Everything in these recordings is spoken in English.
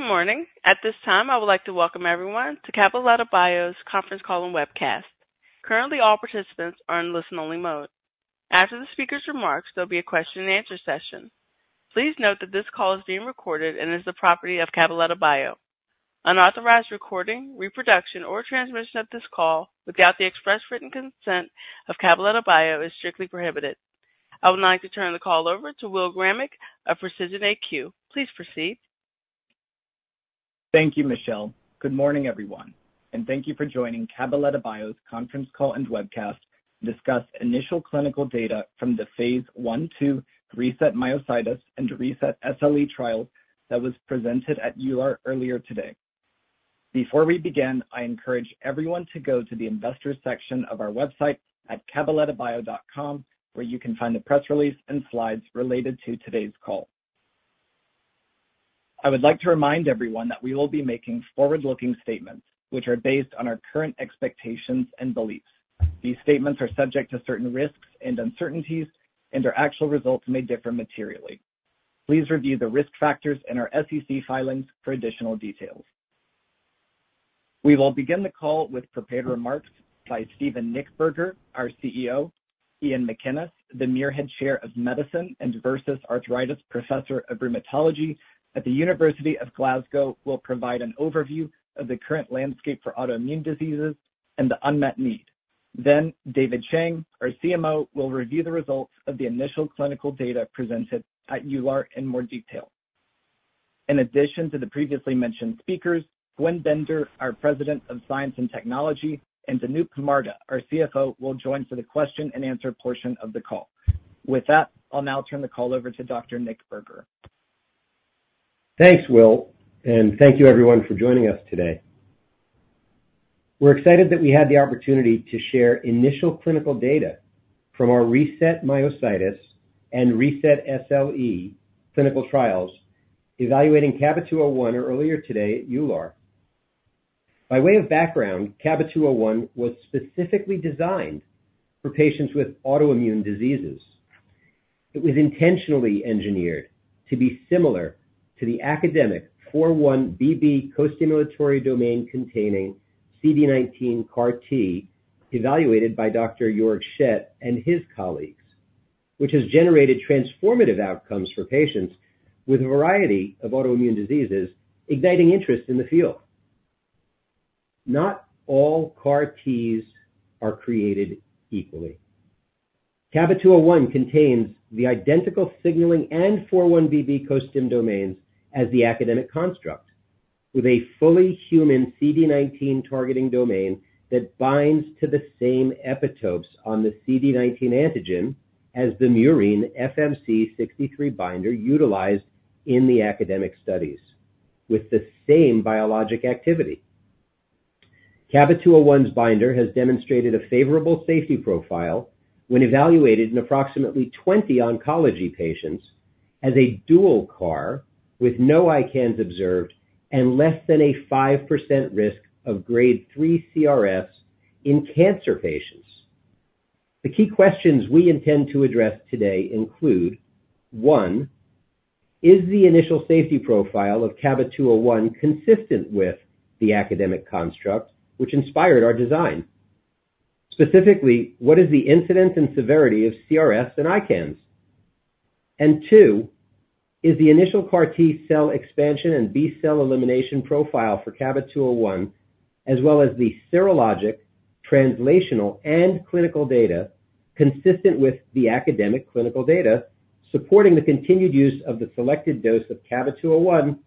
Good morning. At this time, I would like to welcome everyone to Cabaletta Bio's conference call and webcast. Currently, all participants are in listen-only mode. After the speaker's remarks, there'll be a question and answer session. Please note that this call is being recorded and is the property of Cabaletta Bio. Unauthorized recording, reproduction, or transmission of this call without the express written consent of Cabaletta Bio is strictly prohibited. I would now like to turn the call over to Will Gammick of Precision AQ. Please proceed. Thank you, Michelle. Good morning, everyone, and thank you for joining Cabaletta Bio's conference call and webcast to discuss initial clinical data from the Phase I, II RESET-Myositis and RESET-SLE trials that was presented at EULAR earlier today. Before we begin, I encourage everyone to go to the investors section of our website at cabalettabio.com, where you can find the press release and slides related to today's call. I would like to remind everyone that we will be making forward-looking statements which are based on our current expectations and beliefs. These statements are subject to certain risks and uncertainties, and their actual results may differ materially. Please review the risk factors in our SEC filings for additional details. We will begin the call with prepared remarks by Steven Nichtberger, our CEO. Iain McInnes, the Muirhead Chair of Medicine and Versus Arthritis Professor of Rheumatology at the University of Glasgow, will provide an overview of the current landscape for autoimmune diseases and the unmet need. Then David Chang, our CMO, will review the results of the initial clinical data presented at EULAR in more detail. In addition to the previously mentioned speakers, Gwendolyn Binder, our President of Science and Technology, and Anup Marda, our CFO, will join for the question and answer portion of the call. With that, I'll now turn the call over to Dr. Nichtberger. Thanks, Will, and thank you everyone for joining us today. We're excited that we had the opportunity to share initial clinical data from our RESET-Myositis and RESET-SLE clinical trials evaluating CABA-201 earlier today at EULAR. By way of background, CABA-201 was specifically designed for patients with autoimmune diseases. It was intentionally engineered to be similar to the academic 4-1BB costimulatory domain containing CD19 CAR T, evaluated by Dr. Georg Schett and his colleagues, which has generated transformative outcomes for patients with a variety of autoimmune diseases, igniting interest in the field. Not all CAR Ts are created equally. CABA-201 contains the identical signaling and 4-1BB costim domains as the academic construct, with a fully human CD19 targeting domain that binds to the same epitopes on the CD19 antigen as the murine FMC63 binder utilized in the academic studies, with the same biologic activity. CABA-201's binder has demonstrated a favorable safety profile when evaluated in approximately 20 oncology patients as a dual CAR with no ICANS observed and less than a 5% risk of grade three CRS in cancer patients. The key questions we intend to address today include, 1, is the initial safety profile of CABA-201 consistent with the academic construct which inspired our design? Specifically, what is the incidence and severity of CRS and ICANS? And two, is the initial CAR T cell expansion and B-cell elimination profile for CABA-201, as well as the serologic, translational, and clinical data, consistent with the academic clinical data, supporting the continued use of the selected dose of CABA-201,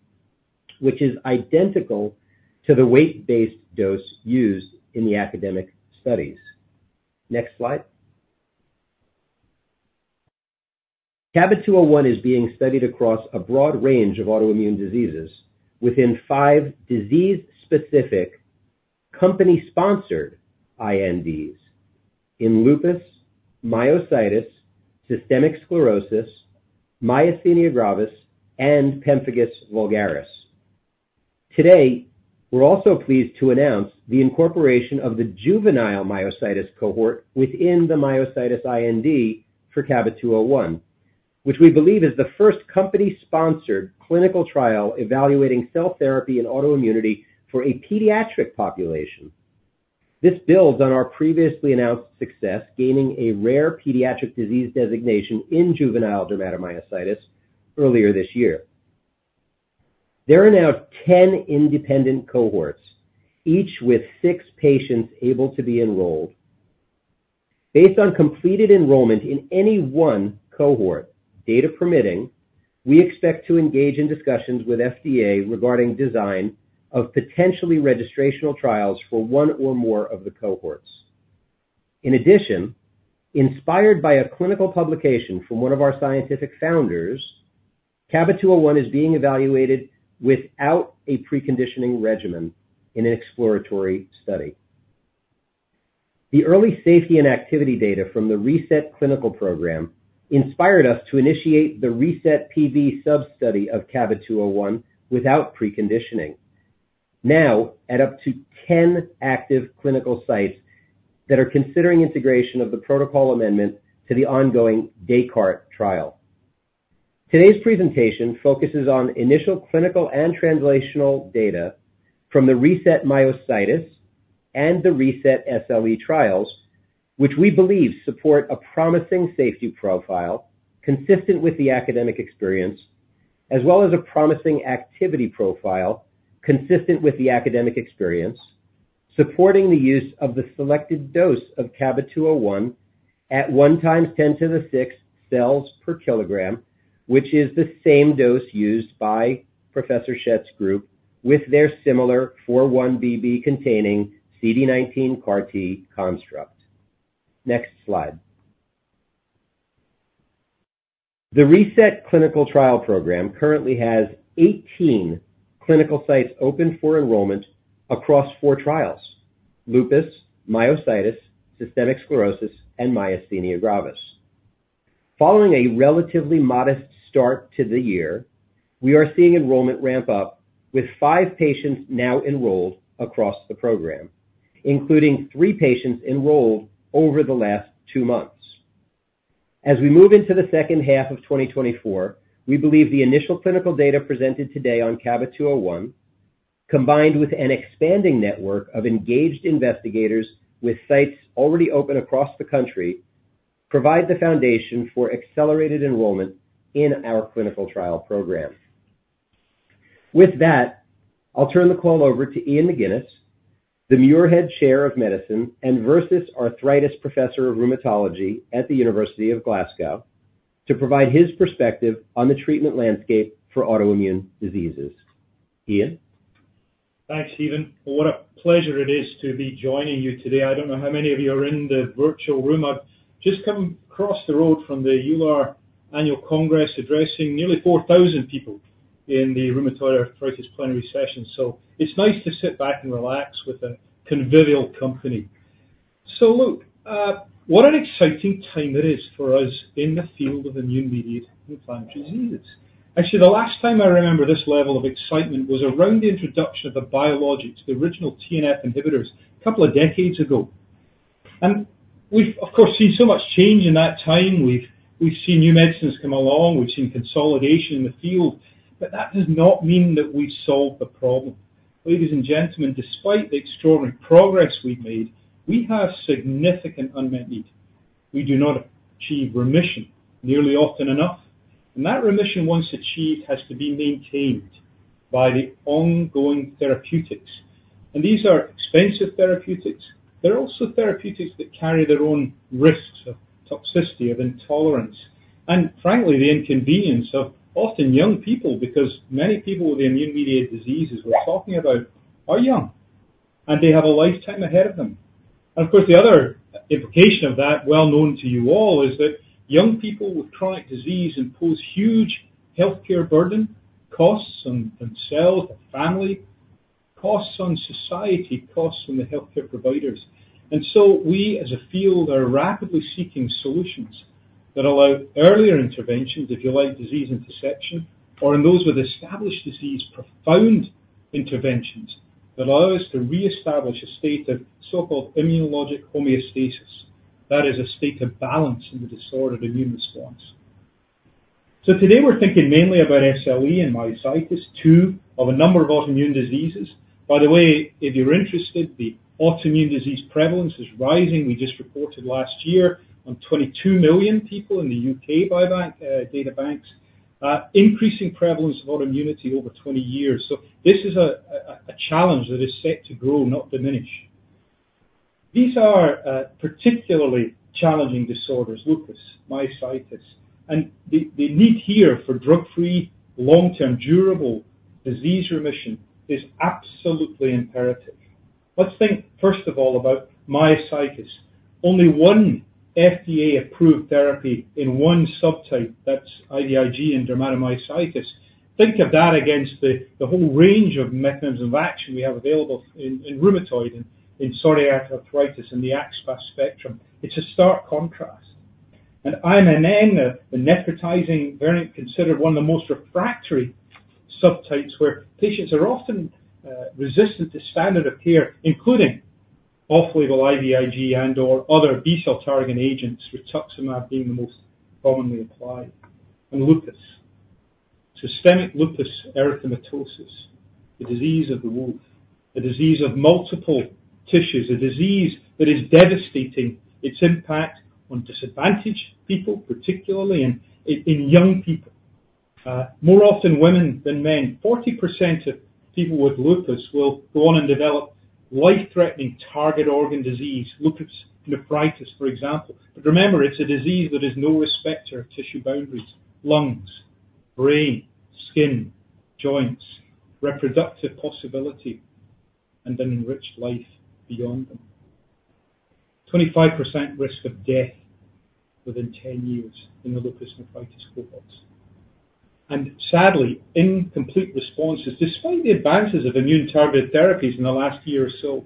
which is identical to the weight-based dose used in the academic studies? Next slide. CABA-201 is being studied across a broad range of autoimmune diseases within five disease-specific, company-sponsored INDs in lupus, myositis, systemic sclerosis, myasthenia gravis, and pemphigus vulgaris. Today, we're also pleased to announce the incorporation of the juvenile myositis cohort within the myositis IND for CABA-201, which we believe is the first company-sponsored clinical trial evaluating cell therapy and autoimmunity for a pediatric population. This builds on our previously announced success, gaining a rare pediatric disease designation in juvenile dermatomyositis earlier this year. There are now 10 independent cohorts, each with six patients able to be enrolled. Based on completed enrollment in any one cohort, data permitting, we expect to engage in discussions with FDA regarding design of potentially registrational trials for one or more of the cohorts. In addition, inspired by a clinical publication from one of our scientific founders, CABA-201 is being evaluated without a preconditioning regimen in an exploratory study. The early safety and activity data from the RESET clinical program inspired us to initiate the RESET-PV sub-study of CABA-201 without preconditioning.... now at up to 10 active clinical sites that are considering integration of the protocol amendment to the ongoing DesCAARTes trial. Today's presentation focuses on initial clinical and translational data from the RESET-Myositis and the RESET-SLE trials, which we believe support a promising safety profile consistent with the academic experience, as well as a promising activity profile consistent with the academic experience, supporting the use of the selected dose of CABA-201 at 1 × 10^6 cells per kilogram, which is the same dose used by Professor Schett's group with their similar 4-1BB containing CD19 CAR-T construct. Next slide. The RESET clinical trial program currently has 18 clinical sites open for enrollment across four trials: lupus, myositis, systemic sclerosis, and myasthenia gravis. Following a relatively modest start to the year, we are seeing enrollment ramp up, with five patients now enrolled across the program, including three patients enrolled over the last two months. As we move into the second half of 2024, we believe the initial clinical data presented today on CABA-201, combined with an expanding network of engaged investigators with sites already open across the country, provide the foundation for accelerated enrollment in our clinical trial program. With that, I'll turn the call over to Iain McInnes, the Muirhead Chair of Medicine and Versus Arthritis Professor of Rheumatology at the University of Glasgow, to provide his perspective on the treatment landscape for autoimmune diseases. Iain? Thanks, Steven. What a pleasure it is to be joining you today. I don't know how many of you are in the virtual room. I've just come across the road from the EULAR Annual Congress, addressing nearly 4,000 people in the rheumatoid arthritis plenary session. So it's nice to sit back and relax with a convivial company. So look, what an exciting time it is for us in the field of immune-mediated inflammatory diseases. Actually, the last time I remember this level of excitement was around the introduction of the biologics, the original TNF inhibitors, a couple of decades ago. And we've, of course, seen so much change in that time. We've, we've seen new medicines come along, we've seen consolidation in the field, but that does not mean that we've solved the problem. Ladies and gentlemen, despite the extraordinary progress we've made, we have significant unmet needs. We do not achieve remission nearly often enough, and that remission, once achieved, has to be maintained by the ongoing therapeutics. These are expensive therapeutics. They're also therapeutics that carry their own risks of toxicity, of intolerance, and frankly, the inconvenience of often young people, because many people with immune-mediated diseases we're talking about are young, and they have a lifetime ahead of them. Of course, the other implication of that, well-known to you all, is that young people with chronic disease impose huge healthcare burden, costs on themselves, their family, costs on society, costs on the healthcare providers. So we, as a field, are rapidly seeking solutions that allow earlier intervention, if you like, disease interception, or in those with established disease, profound interventions that allow us to reestablish a state of so-called immunologic homeostasis. That is a state of balance in the disordered immune response. So today we're thinking mainly about SLE and myositis, two of a number of autoimmune diseases. By the way, if you're interested, the autoimmune disease prevalence is rising. We just reported last year on 22 million people in the U.K. Biobank databanks, increasing prevalence of autoimmunity over 20 years. So this is a challenge that is set to grow, not diminish. These are particularly challenging disorders, lupus, myositis, and the need here for drug-free, long-term, durable disease remission is absolutely imperative. Let's think first of all about myositis. Only one FDA-approved therapy in one subtype, that's IVIG in dermatomyositis. Think of that against the whole range of mechanisms of action we have available in rheumatoid and in psoriatic arthritis in the axSpA spectrum. It's a stark contrast. IMNM, the necrotizing variant, considered one of the most refractory subtypes, where patients are often resistant to standard of care, including off-label IVIG and/or other B-cell targeting agents, rituximab being the most commonly applied. Lupus. Systemic lupus erythematosus, the disease of the wolf, a disease of multiple tissues, a disease that is devastating its impact on disadvantaged people, particularly in young people, more often women than men. 40% of people with lupus will go on and develop life-threatening target organ disease, lupus nephritis, for example. But remember, it's a disease that is no respecter of tissue boundaries, lungs, brain, skin, joints, reproductive possibility, and an enriched life beyond them. 25% risk of death within 10 years in the lupus nephritis cohorts. And sadly, incomplete responses, despite the advances of immune-targeted therapies in the last year or so-...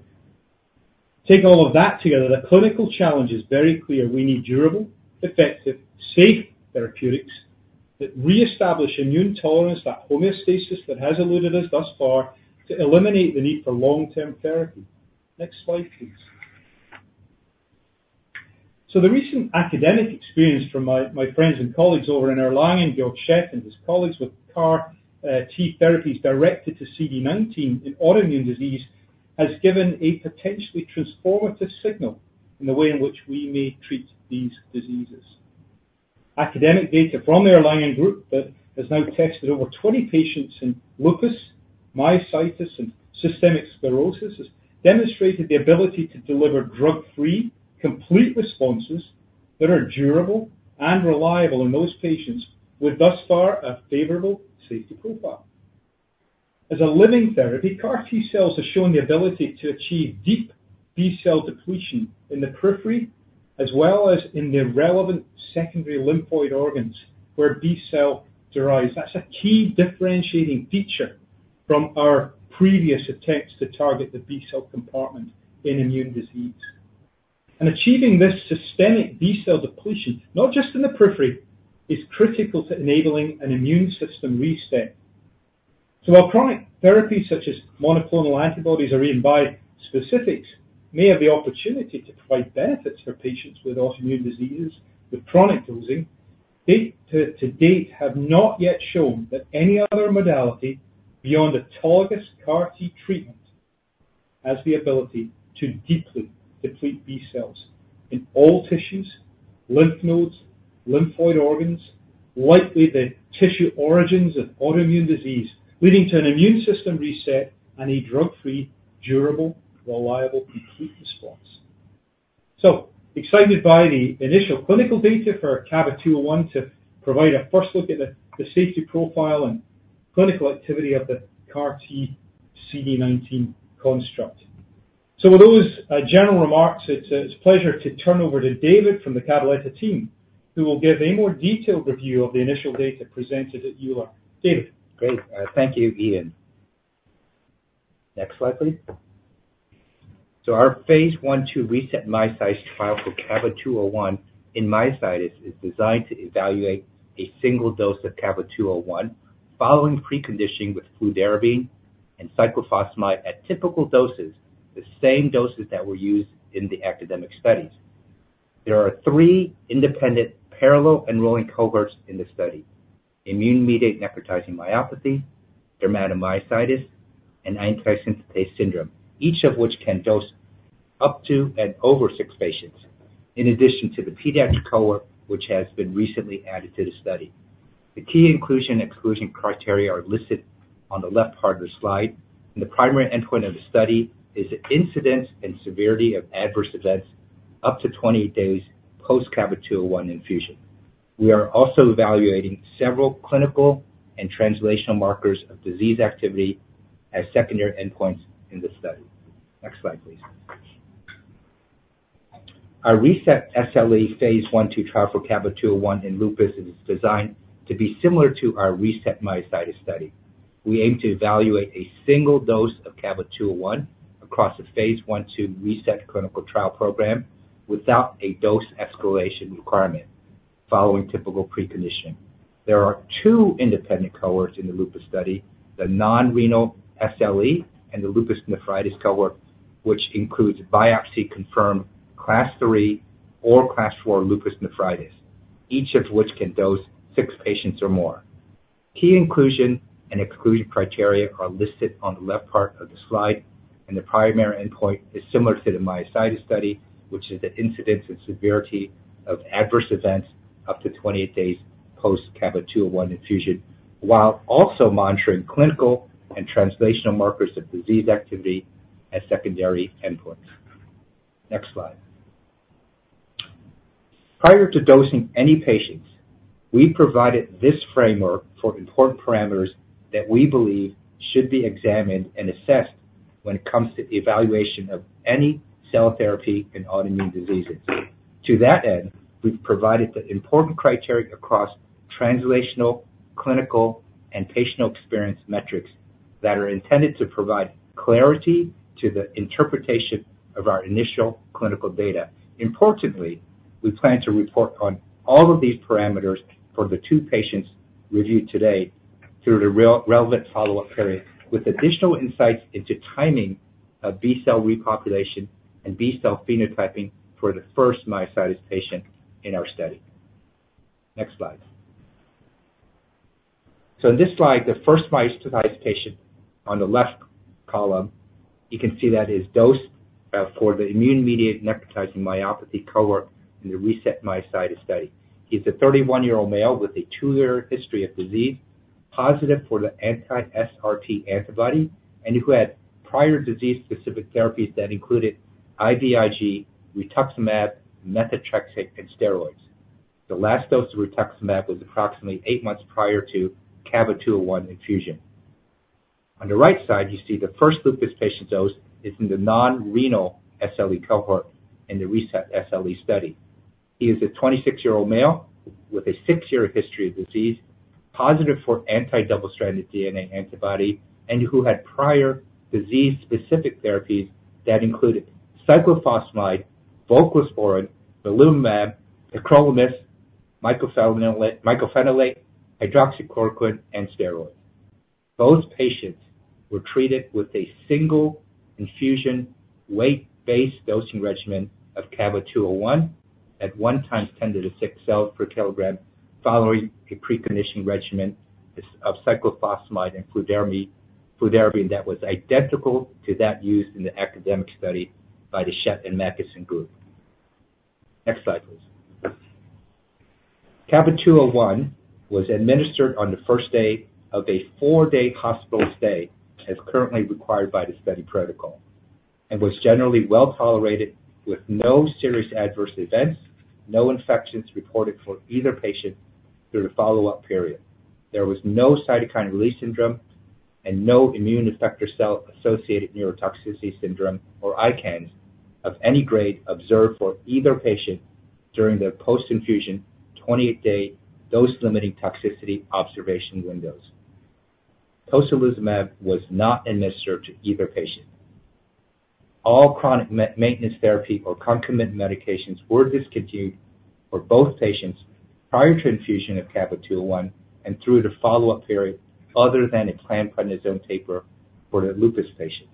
Take all of that together, the clinical challenge is very clear: we need durable, effective, safe therapeutics that reestablish immune tolerance, that homeostasis that has eluded us thus far, to eliminate the need for long-term therapy. Next slide, please. So the recent academic experience from my, my friends and colleagues over in Erlangen, Georg Schett and his colleagues with CAR T therapies directed to CD19 in autoimmune disease, has given a potentially transformative signal in the way in which we may treat these diseases. Academic data from the Erlangen group that has now tested over 20 patients in lupus, myositis, and systemic sclerosis, has demonstrated the ability to deliver drug-free, complete responses that are durable and reliable in those patients, with thus far, a favorable safety profile. As a living therapy, CAR T-cells have shown the ability to achieve deep B-cell depletion in the periphery, as well as in the relevant secondary lymphoid organs, where B-cell derives. That's a key differentiating feature from our previous attempts to target the B-cell compartment in immune disease. And achieving this systemic B-cell depletion, not just in the periphery, is critical to enabling an immune system reset. So while chronic therapies such as monoclonal antibodies or even bispecifics may have the opportunity to provide benefits for patients with autoimmune diseases, with chronic dosing, to date, have not yet shown that any other modality beyond a target CAR T treatment has the ability to deeply deplete B-cells in all tissues, lymph nodes, lymphoid organs, likely the tissue origins of autoimmune disease, leading to an immune system reset and a drug-free, durable, reliable, complete response. So excited by the initial clinical data for CABA-201 to provide a first look at the safety profile and clinical activity of the CAR T CD19 construct. So with those general remarks, it's a pleasure to turn over to David from the Cabaletta team, who will give a more detailed review of the initial data presented at EULAR. David? Great. Uh, thank you, Iain. Next slide, please. So our Phase I, II RESET myositis trial for CABA-201 in myositis is designed to evaluate a single dose of CABA-201, following preconditioning with fludarabine and cyclophosphamide at typical doses, the same doses that were used in the academic studies. There are three independent parallel enrolling cohorts in the study: immune-mediated necrotizing myopathy, dermatomyositis, and anti-synthetase syndrome. Each of which can dose up to and over six patients, in addition to the pediatric cohort, which has been recently added to the study. The key inclusion/exclusion criteria are listed on the left part of the slide, and the primary endpoint of the study is the incidence and severity of adverse events up to 20 days post CABA-201 infusion. We are also evaluating several clinical and translational markers of disease activity as secondary endpoints in the study. Next slide, please. Our RESET-SLE Phase I, II trial for CABA-201 in lupus is designed to be similar to our RESET-Myositis study. We aim to evaluate a single dose of CABA-201 across the Phase I, II RESET clinical trial program, without a dose escalation requirement, following typical preconditioning. There are two independent cohorts in the lupus study, the non-renal SLE and the lupus nephritis cohort, which includes biopsy-confirmed Class 3 or Class 4 lupus nephritis, each of which can dose six patients or more. Key inclusion and exclusion criteria are listed on the left part of the slide, and the primary endpoint is similar to the myositis study, which is the incidence and severity of adverse events up to 28 days post CABA-201 infusion, while also monitoring clinical and translational markers of disease activity as secondary endpoints. Next slide. Prior to dosing any patients, we provided this framework for important parameters that we believe should be examined and assessed when it comes to the evaluation of any cell therapy in autoimmune diseases. To that end, we've provided the important criteria across translational, clinical, and patient experience metrics, that are intended to provide clarity to the interpretation of our initial clinical data. Importantly, we plan to report on all of these parameters for the two patients reviewed today, through the relevant follow-up period, with additional insights into timing of B-cell repopulation and B-cell phenotyping for the first myositis patient in our study. Next slide. So in this slide, the first myositis patient on the left column, you can see that his dose, for the immune-mediated necrotizing myopathy cohort in the RESET-Myositis study. He's a 31-year-old male with a 2-year history of disease, positive for the Anti-SRP antibody, and who had prior disease-specific therapies that included IVIG, rituximab, methotrexate, and steroids. The last dose of rituximab was approximately 8 months prior to CABA-201 infusion. On the right side, you see the first lupus patient dose is in the non-renal SLE cohort in the RESET-SLE study. He is a 26-year-old male with a 6-year history of disease, positive for anti-double-stranded DNA antibody, and who had prior disease-specific therapies that included cyclophosphamide, voclosporin, belimumab, tacrolimus, mycophenolate, hydroxychloroquine, and steroids. Both patients were treated with a single infusion, weight-based dosing regimen of CABA-201 at 1 × 10^6 cells per kilogram, following a pre-conditioning regimen of cyclophosphamide and fludarabine that was identical to that used in the academic study by the Schett and McInnes group. Next slide, please. CABA-201 was administered on the first day of a 4-day hospital stay, as currently required by the study protocol, and was generally well tolerated, with no serious adverse events, no infections reported for either patient through the follow-up period. There was no cytokine release syndrome and no immune effector cell-associated neurotoxicity syndrome, or ICANS, of any grade observed for either patient during their post-infusion, 28-day, dose-limiting toxicity observation windows. Tocilizumab was not administered to either patient. All chronic maintenance therapy or concomitant medications were discontinued for both patients prior to infusion of CABA-201 and through the follow-up period, other than a planned prednisone taper for the lupus patient.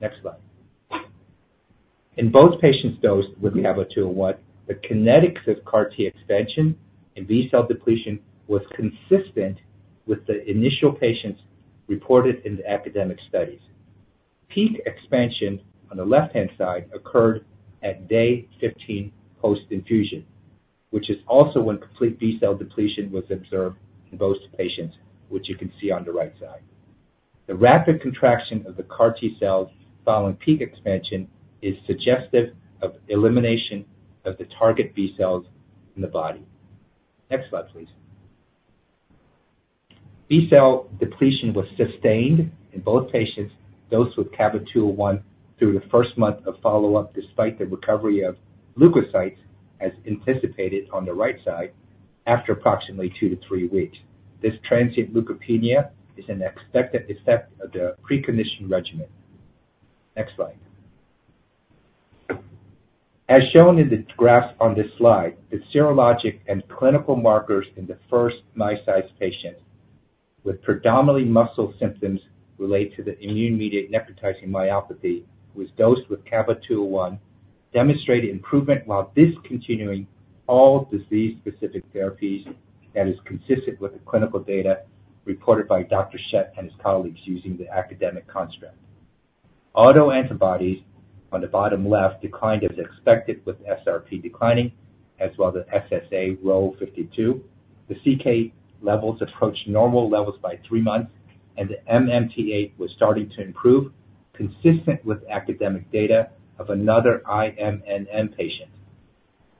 Next slide. In both patients dosed with CABA-201, the kinetics of CAR-T expansion and B-cell depletion was consistent with the initial patients reported in the academic studies. Peak expansion on the left-hand side occurred at day 15 post-infusion, which is also when complete B-cell depletion was observed in both patients, which you can see on the right side. The rapid contraction of the CAR T cells following peak expansion is suggestive of elimination of the target B-cells in the body. Next slide, please. B-cell depletion was sustained in both patients dosed with CABA-201 through the first month of follow-up, despite the recovery of leukocytes, as anticipated on the right side, after approximately 2 weeks-3 weeks. This transient leukopenia is an expected effect of the preconditioning regimen. Next slide. As shown in the graph on this slide, the serologic and clinical markers in the first myositis patient with predominantly muscle symptoms related to the immune-mediated necrotizing myopathy, was dosed with CABA-201, demonstrated improvement while discontinuing all disease-specific therapies, and is consistent with the clinical data reported by Dr. Schett and his colleagues using the academic construct. Autoantibodies on the bottom left declined as expected, with the SRP declining, as well as SSA Ro52. The CK levels approached normal levels by three months, and the MMT-8 was starting to improve, consistent with academic data of another IMNM patient.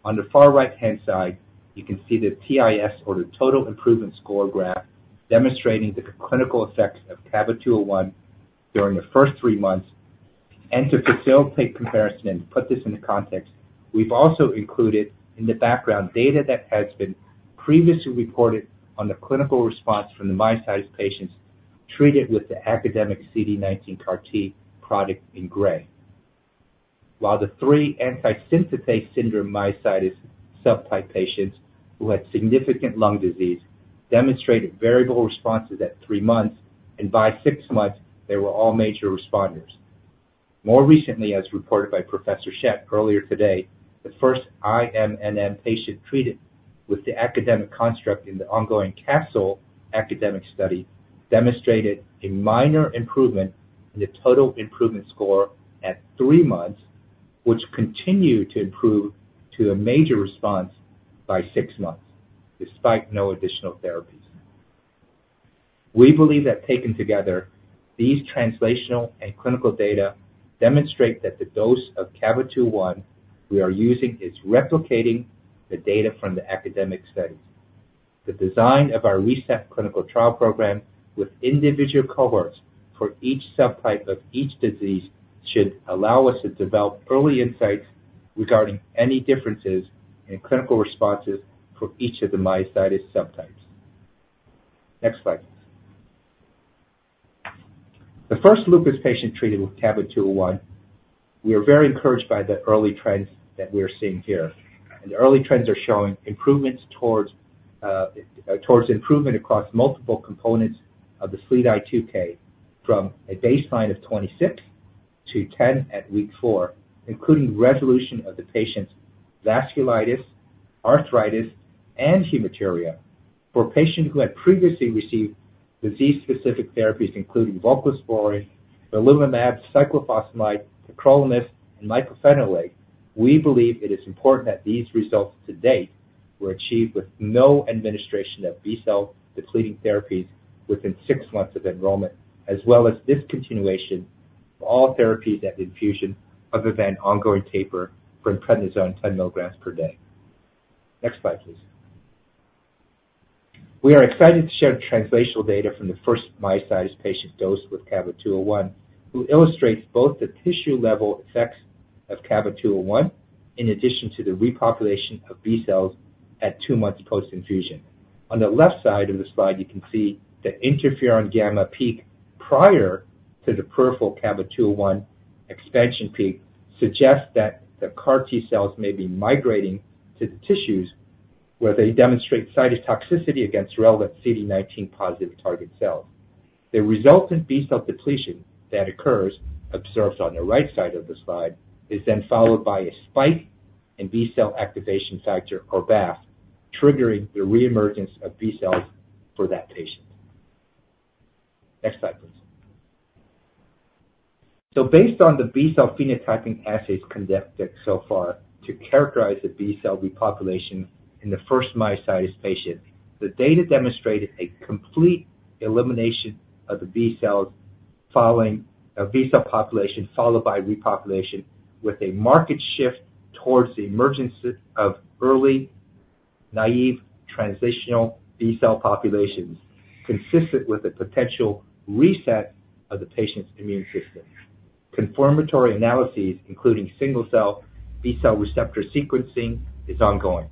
On the far right-hand side, you can see the TIS, or the Total Improvement Score graph, demonstrating the clinical effects of CABA-201 during the first three months. And to facilitate comparison and put this into context, we've also included in the background data that has been previously reported on the clinical response from the myositis patients treated with the academic CD19 CAR-T product in gray. While the three antisynthetase syndrome myositis subtype patients, who had significant lung disease, demonstrated variable responses at three months, and by six months they were all major responders. More recently, as reported by Professor Schett earlier today, the first IMNM patient treated with the academic construct in the ongoing CASTLE academic study demonstrated a minor improvement in the total improvement score at three months, which continued to improve to a major response by 6 months, despite no additional therapies. We believe that taken together, these translational and clinical data demonstrate that the dose of CABA-201 we are using is replicating the data from the academic studies. The design of our recent clinical trial program with individual cohorts for each subtype of each disease should allow us to develop early insights regarding any differences in clinical responses for each of the myositis subtypes. Next slide. The first lupus patient treated with CABA-201. We are very encouraged by the early trends that we are seeing here. The early trends are showing improvements towards improvement across multiple components of the SLEDAI-2K, from a baseline of 26-10 at Week 4, including resolution of the patient's vasculitis, arthritis, and hematuria. For a patient who had previously received disease-specific therapies, including voclosporin, belimumab, cyclophosphamide, tacrolimus, and mycophenolate, we believe it is important that these results to date were achieved with no administration of B-cell depleting therapies within 6 months of enrollment, as well as discontinuation of all therapies at infusion other than ongoing taper for prednisone 10 milligrams per day. Next slide, please. We are excited to share the translational data from the first myositis patient dosed with CABA-201, who illustrates both the tissue level effects of CABA-201, in addition to the repopulation of B cells at 2 months post-infusion. On the left side of the slide, you can see the interferon gamma peak prior to the peripheral CABA-201 expansion peak suggests that the CAR T-cells may be migrating to the tissues, where they demonstrate cytotoxicity against relevant CD19-positive target cells. The resultant B-cell depletion that occurs, observed on the right side of the slide, is then followed by a spike in B-cell activation factor, or BAFF, triggering the reemergence of B cells for that patient. Next slide, please. So based on the B-cell phenotyping assays conducted so far to characterize the B-cell repopulation in the first myositis patient, the data demonstrated a complete elimination of the B cells following a B-cell population, followed by repopulation, with a marked shift towards the emergence of early naive transitional B-cell populations, consistent with the potential reset of the patient's immune system. Confirmatory analyses, including single-cell B-cell receptor sequencing, is ongoing.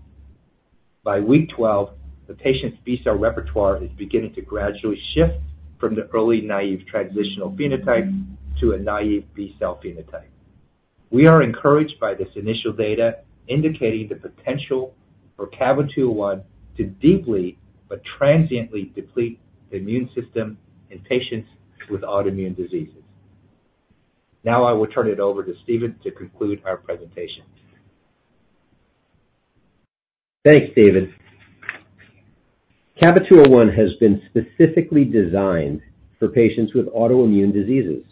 By week 12, the patient's B-cell repertoire is beginning to gradually shift from the early naive transitional phenotype to a naive B-cell phenotype. We are encouraged by this initial data, indicating the potential for CABA-201 to deeply but transiently deplete the immune system in patients with autoimmune diseases. Now I will turn it over to Steven to conclude our presentation. Thanks, David. CABA-201 has been specifically designed for patients with autoimmune diseases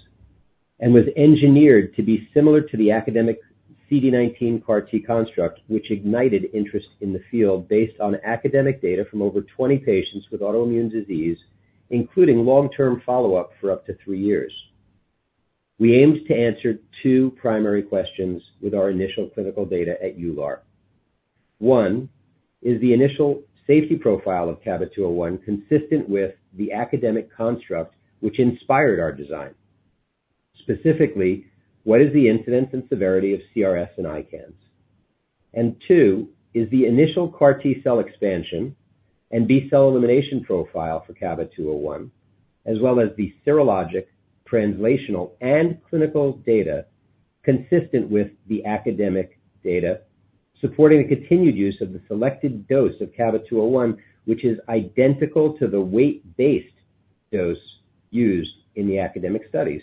and was engineered to be similar to the academic CD19 CAR T construct, which ignited interest in the field based on academic data from over 20 patients with autoimmune disease, including long-term follow-up for up to three years. We aimed to answer two primary questions with our initial clinical data at EULAR. One, is the initial safety profile of CABA-201 consistent with the academic construct which inspired our design? Specifically, what is the incidence and severity of CRS and ICANS? And two, is the initial CAR T-cell expansion and B-cell elimination profile for CABA-201, as well as the serologic, translational, and clinical data consistent with the academic data, supporting the continued use of the selected dose of CABA-201, which is identical to the weight-based dose used in the academic studies.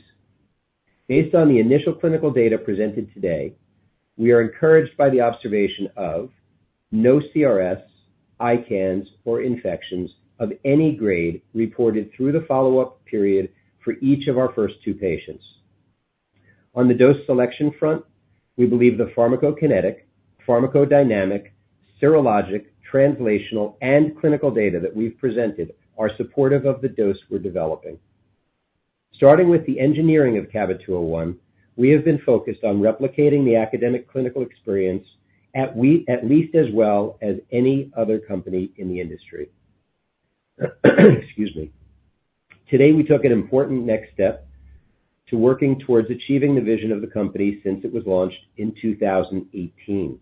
Based on the initial clinical data presented today, we are encouraged by the observation of no CRS, ICANS, or infections of any grade reported through the follow-up period for each of our first two patients. On the dose selection front, we believe the pharmacokinetic, pharmacodynamic, serologic, translational, and clinical data that we've presented are supportive of the dose we're developing. Starting with the engineering of CABA-201, we have been focused on replicating the academic clinical experience at least as well as any other company in the industry. Excuse me. Today, we took an important next step to working towards achieving the vision of the company since it was launched in 2018,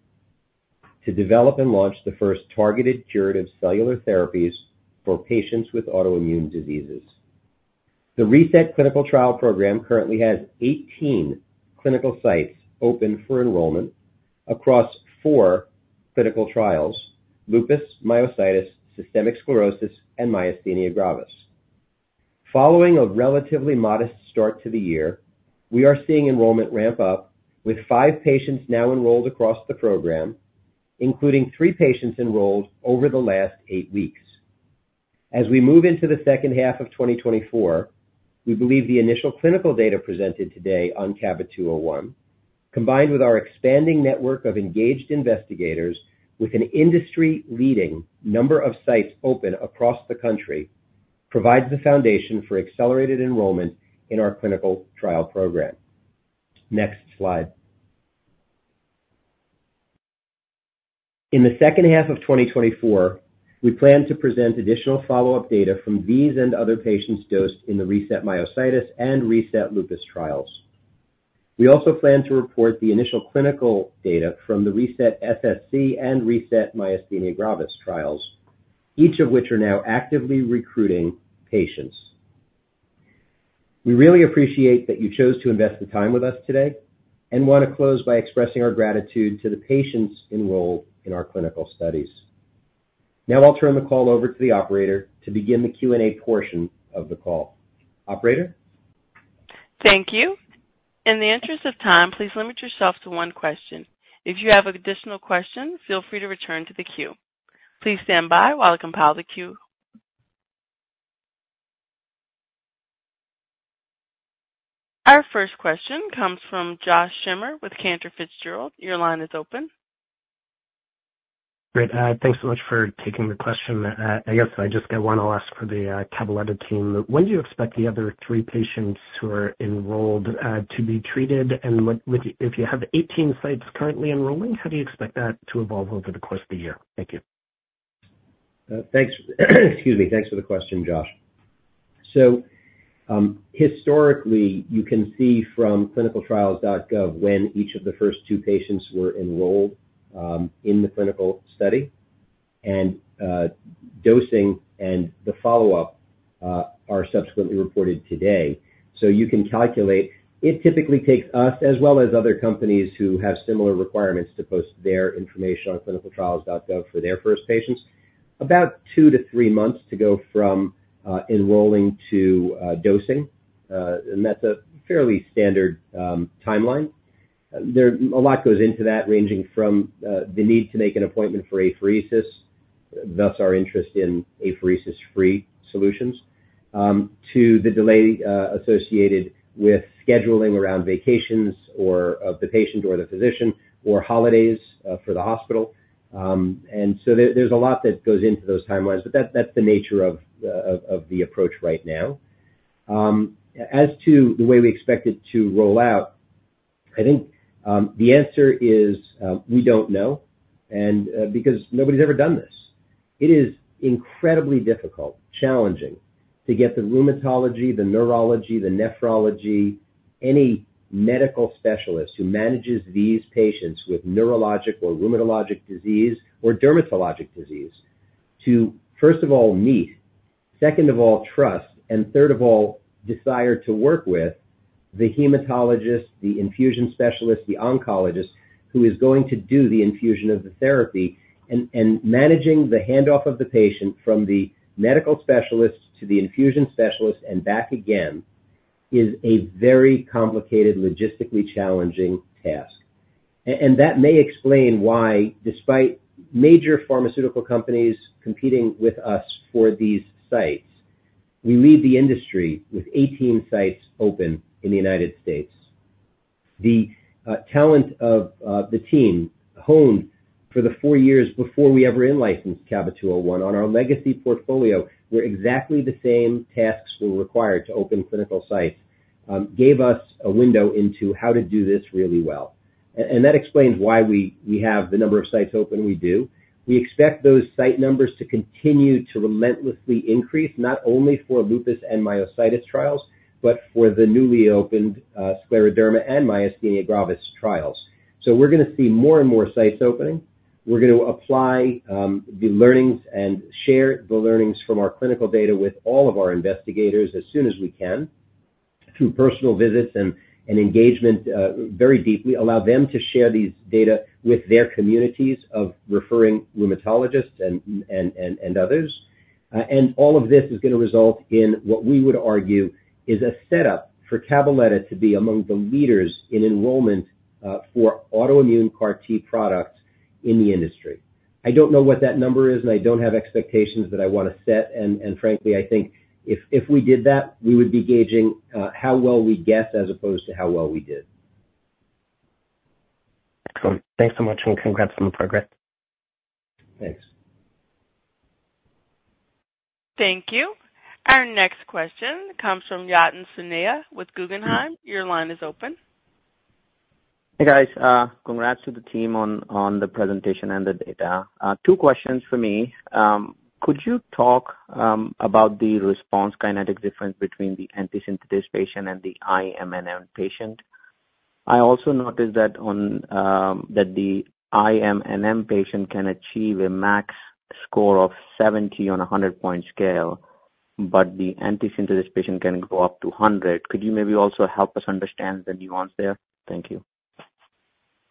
to develop and launch the first targeted curative cellular therapies for patients with autoimmune diseases. The RESET clinical trial program currently has 18 clinical sites open for enrollment across four clinical trials, lupus, myositis, systemic sclerosis, and myasthenia gravis. Following a relatively modest start to the year, we are seeing enrollment ramp up, with five patients now enrolled across the program, including three patients enrolled over the last eight weeks. As we move into the second half of 2024, we believe the initial clinical data presented today on CABA-201, combined with our expanding network of engaged investigators with an industry-leading number of sites open across the country, provides the foundation for accelerated enrollment in our clinical trial program. Next slide. In the second half of 2024, we plan to present additional follow-up data from these and other patients dosed in the RESET myositis and RESET lupus trials. We also plan to report the initial clinical data from the RESET-SSc and RESET myasthenia gravis trials, each of which are now actively recruiting patients. We really appreciate that you chose to invest the time with us today and want to close by expressing our gratitude to the patients enrolled in our clinical studies. Now I'll turn the call over to the operator to begin the Q&A portion of the call. Operator? Thank you. In the interest of time, please limit yourself to one question. If you have additional questions, feel free to return to the queue. Please stand by while I compile the queue. Our first question comes from Josh Zimmer with Cantor Fitzgerald. Your line is open. Great. Thanks so much for taking the question. I guess I just got one I'll ask for the Cabaletta team. When do you expect the other 3 patients who are enrolled to be treated? And what if you have 18 sites currently enrolling, how do you expect that to evolve over the course of the year? Thank you. ... Thanks. Excuse me. Thanks for the question, Josh. So, historically, you can see from ClinicalTrials.gov when each of the first two patients were enrolled in the clinical study, and dosing and the follow-up are subsequently reported today. So you can calculate, it typically takes us, as well as other companies who have similar requirements to post their information on ClinicalTrials.gov for their first patients, about 2-3 months to go from enrolling to dosing. And that's a fairly standard timeline. A lot goes into that, ranging from the need to make an appointment for apheresis, thus our interest in apheresis-free solutions, to the delay associated with scheduling around vacations or of the patient or the physician or holidays for the hospital. And so there, there's a lot that goes into those timelines, but that, that's the nature of the, of, of the approach right now. As to the way we expect it to roll out, I think, the answer is, we don't know, and, because nobody's ever done this. It is incredibly difficult, challenging, to get the rheumatology, the neurology, the nephrology, any medical specialist who manages these patients with neurologic or rheumatologic disease or dermatologic disease, to first of all, meet, second of all, trust, and third of all, desire to work with the hematologist, the infusion specialist, the oncologist who is going to do the infusion of the therapy. And managing the handoff of the patient from the medical specialist to the infusion specialist and back again, is a very complicated, logistically challenging task. That may explain why, despite major pharmaceutical companies competing with us for these sites, we lead the industry with 18 sites open in the United States. The talent of the team, honed for the 4 years before we ever in-licensed CABA-201 on our legacy portfolio, where exactly the same tasks were required to open clinical sites, gave us a window into how to do this really well. That explains why we have the number of sites open we do. We expect those site numbers to continue to relentlessly increase, not only for lupus and myositis trials, but for the newly opened scleroderma and myasthenia gravis trials. So we're gonna see more and more sites opening. We're going to apply the learnings and share the learnings from our clinical data with all of our investigators as soon as we can, through personal visits and engagement very deeply, allow them to share these data with their communities of referring rheumatologists and others. And all of this is gonna result in what we would argue is a setup for Cabaletta to be among the leaders in enrollment for autoimmune CAR T products in the industry. I don't know what that number is, and I don't have expectations that I wanna set. And frankly, I think if we did that, we would be gauging how well we guess as opposed to how well we did. Cool. Thanks so much, and congrats on the progress. Thanks. Thank you. Our next question comes from Yatin Suneja with Guggenheim. Your line is open. Hey, guys. Congrats to the team on the presentation and the data. Two questions for me. Could you talk about the response kinetic difference between the antisynthetase patient and the IMNM patient? I also noticed that the IMNM patient can achieve a max score of 70 on a 100-point scale, but the antisynthetase patient can go up to 100. Could you maybe also help us understand the nuance there? Thank you.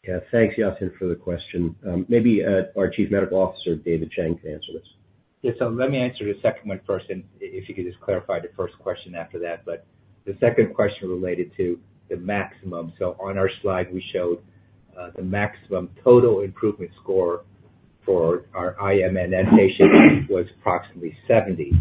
Yeah. Thanks, Yatin, for the question. Maybe, our Chief Medical Officer, David Chang, can answer this. Yeah, so let me answer the second one first, and if you could just clarify the first question after that. But the second question related to the maximum. So on our slide, we showed the maximum total improvement score for our IMNM patients was approximately 70.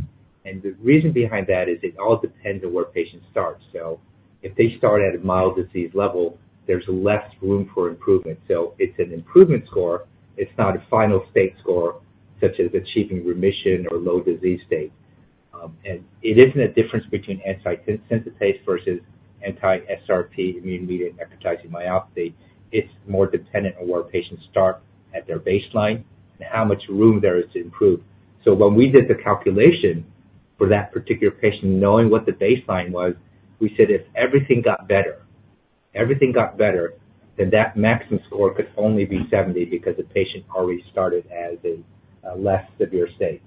And the reason behind that is it all depends on where patients start. So if they start at a mild disease level, there's less room for improvement. So it's an improvement score, it's not a final state score, such as achieving remission or low disease state. And it isn't a difference between antisynthetase versus anti-SRP, immune-mediated necrotizing myopathy. It's more dependent on where patients start at their baseline and how much room there is to improve. So when we did the calculation for that particular patient, knowing what the baseline was, we said, "If everything got better, everything got better, then that maximum score could only be 70, because the patient already started as a less severe state."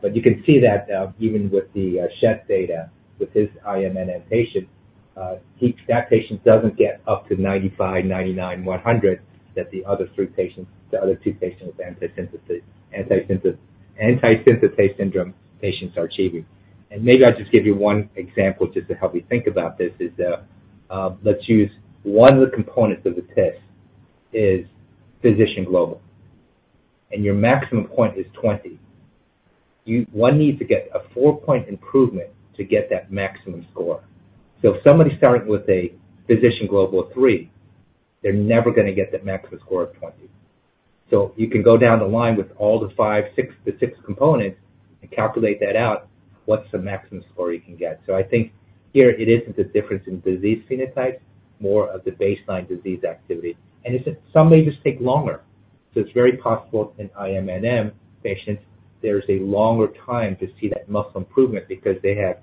But you can see that even with the Schett data, with his IMNM patient, that patient doesn't get up to 95, 99, 100, that the other three patients, the other two patients with antisynthetase syndrome patients are achieving. And maybe I'll just give you one example just to help you think about this: let's use one of the components of the TIS is Physician Global, and your maximum point is 20. One needs to get a 4-point improvement to get that maximum score. So if somebody's starting with a Physician Global of three, they're never gonna get that maximum score of 20. So you can go down the line with all the 5 components, 6 components, the 6 components and calculate that out, what's the maximum score you can get? So I think here it isn't the difference in disease phenotypes, more of the baseline disease activity, and it's that some may just take longer. So it's very possible in IMNM patients, there's a longer time to see that muscle improvement because they have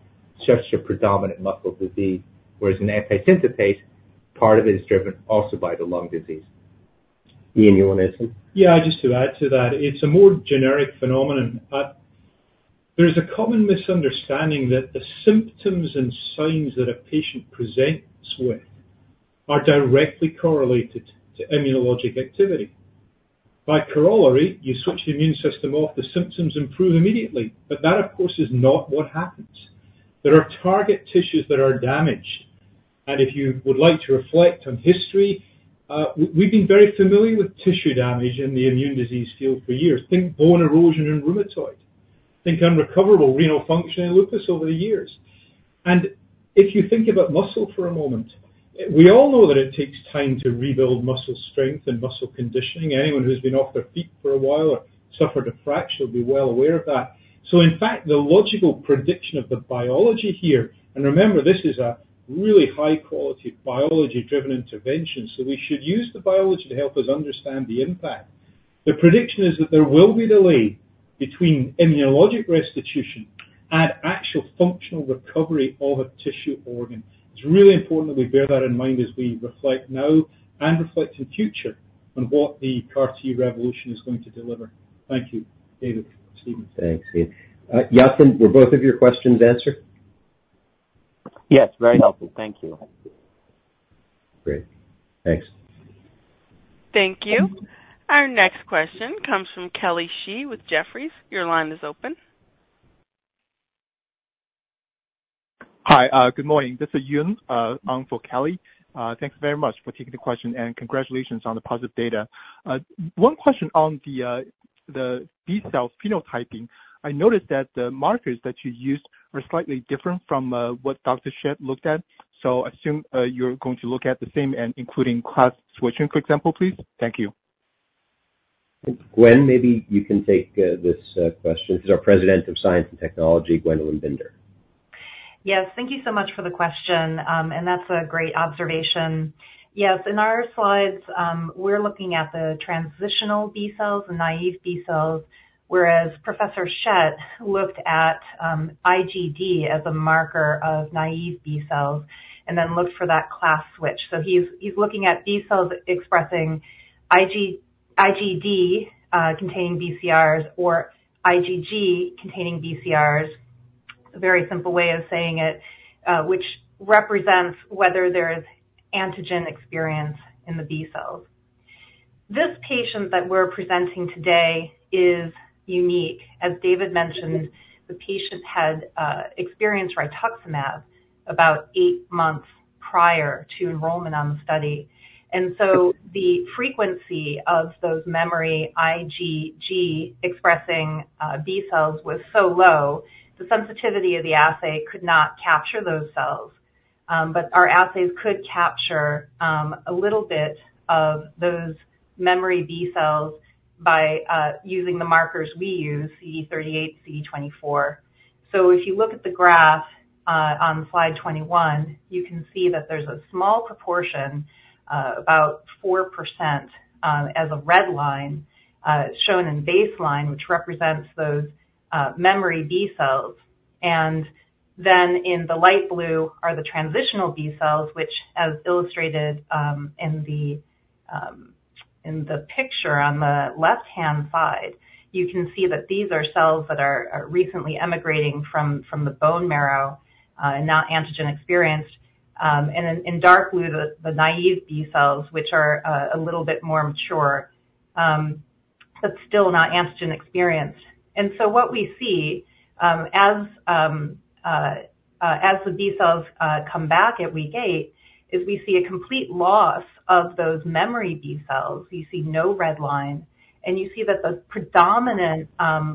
such a predominant muscle disease, whereas in antisynthetase, part of it is driven also by the lung disease. Iain, you want to add something? Yeah, just to add to that, it's a more generic phenomenon. There's a common misunderstanding that the symptoms and signs that a patient presents with are directly correlated to immunologic activity. By corollary, you switch the immune system off, the symptoms improve immediately, but that, of course, is not what happens. There are target tissues that are damaged, and if you would like to reflect on history, we've been very familiar with tissue damage in the immune disease field for years. Think bone erosion and rheumatoid. Think unrecoverable renal function in lupus over the years. If you think about muscle for a moment, we all know that it takes time to rebuild muscle strength and muscle conditioning. Anyone who's been off their feet for a while or suffered a fracture will be well aware of that. So in fact, the logical prediction of the biology here, and remember, this is a really high-quality biology-driven intervention, so we should use the biology to help us understand the impact. The prediction is that there will be delay between immunologic restitution and actual functional recovery of a tissue organ. It's really important that we bear that in mind as we reflect now and reflect in future on what the CAR-T revolution is going to deliver. Thank you, David, Steven. Thanks, Ian. Yatin, were both of your questions answered? Yes, very helpful. Thank you. Great. Thanks. Thank you. Our next question comes from Kelly Shi with Jefferies. Your line is open. Hi, good morning. This is Yun, on for Kelly. Thank you very much for taking the question, and congratulations on the positive data. One question on the B cell phenotyping. I noticed that the markers that you used are slightly different from what Dr. Schett looked at, so assume you're going to look at the same, including class switching, for example, please? Thank you. Gwen, maybe you can take this question. She's our President of Science and Technology, Gwendolyn Binder. Yes. Thank you so much for the question. And that's a great observation. Yes, in our slides, we're looking at the transitional B cells, the naive B cells, whereas Professor Schett looked at IgD as a marker of naive B cells and then looked for that class switch. So he's looking at B cells expressing IgD containing BCRs or IgG containing BCRs. A very simple way of saying it, which represents whether there's antigen experience in the B cells. This patient that we're presenting today is unique. As David mentioned, the patient had experienced Rituximab about eight months prior to enrollment on the study. And so the frequency of those memory IgG expressing B cells was so low, the sensitivity of the assay could not capture those cells. But our assays could capture a little bit of those memory B cells by using the markers we use, CD38, CD24. So if you look at the graph on Slide 21, you can see that there's a small proportion about 4% as a red line shown in baseline, which represents those memory B cells. And then in the light blue are the transitional B cells, which as illustrated in the picture on the left-hand side, you can see that these are cells that are recently emigrating from the bone marrow and not antigen experienced. And in dark blue, the naive B cells, which are a little bit more mature but still not antigen experienced. And so what we see, as the B cells come back at week eight, is we see a complete loss of those memory B cells. We see no red line, and you see that the predominant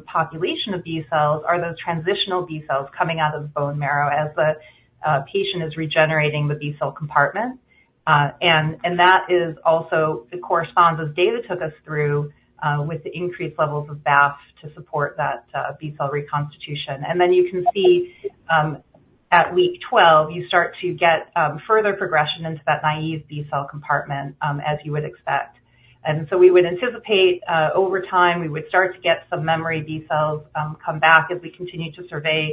population of B cells are those transitional B cells coming out of the bone marrow as the patient is regenerating the B-cell compartment. And that is also it corresponds, as David took us through, with the increased levels of BAFFs to support that B-cell reconstitution. And then you can see, at week 12, you start to get further progression into that naive B-cell compartment, as you would expect. And so we would anticipate, over time, we would start to get some memory B cells come back as we continue to survey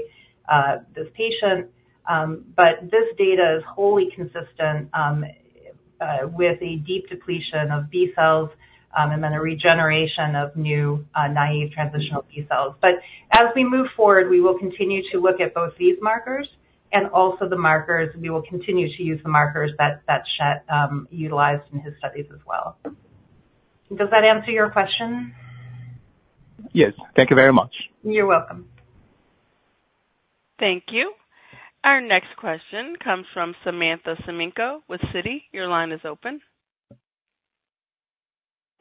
this patient. But this data is wholly consistent with a deep depletion of B cells and then a regeneration of new naive transitional B cells. But as we move forward, we will continue to look at both these markers and also the markers -- we will continue to use the markers that Schett utilized in his studies as well. Does that answer your question? Yes. Thank you very much. You're welcome. Thank you. Our next question comes from Samantha Semenkow with Citi. Your line is open.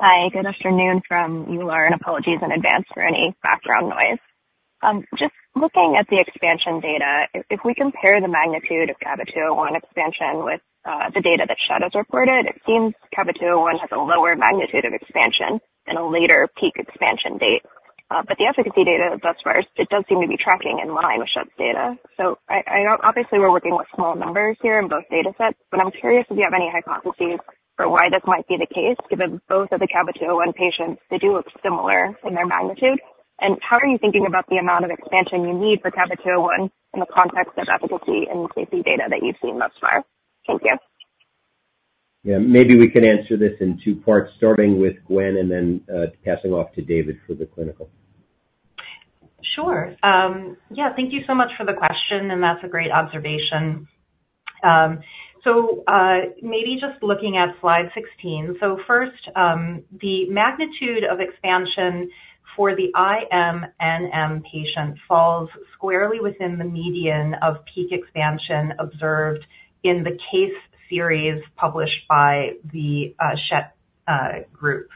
Hi, good afternoon from you, Lauren. Apologies in advance for any background noise. Just looking at the expansion data, if we compare the magnitude of CABA expansion with the data that Schett has reported, it seems CABA has a lower magnitude of expansion and a later peak expansion date. But the efficacy data thus far, it does seem to be tracking in line with Schett's data. So I know obviously we're working with small numbers here in both data sets, but I'm curious if you have any hypotheses for why this might be the case, given both of the CABA-201 patients, they do look similar in their magnitude. And how are you thinking about the amount of expansion you need for CABA-201 in the context of efficacy and safety data that you've seen thus far? Thank you. Yeah, maybe we can answer this in two parts, starting with Gwen and then passing off to David for the clinical. Sure. Yeah, thank you so much for the question, and that's a great observation. So, maybe just looking at slide 16. So first, the magnitude of expansion for the IMNM patient falls squarely within the median of peak expansion observed in the case series published by the Schett Group.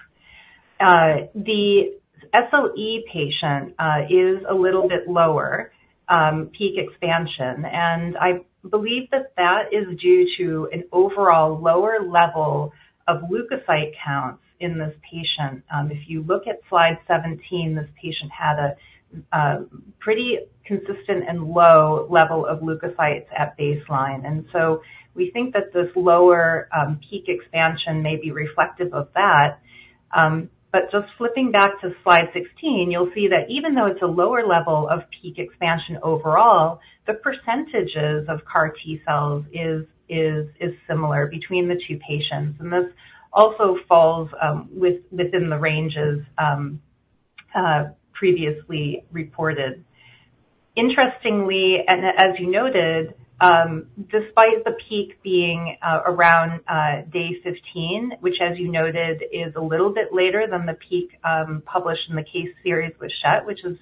The SLE patient is a little bit lower peak expansion, and I believe that that is due to an overall lower level of leukocyte counts in this patient. If you look at slide 17, this patient had a pretty consistent and low level of leukocytes at baseline. And so we think that this lower peak expansion may be reflective of that. But just flipping back to slide 16, you'll see that even though it's a lower level of peak expansion overall, the percentages of CAR T cells is similar between the two patients, and this also falls within the ranges previously reported. Interestingly, as you noted, despite the peak being around day 15, which, as you noted, is a little bit later than the peak published in the case series with Schett, which is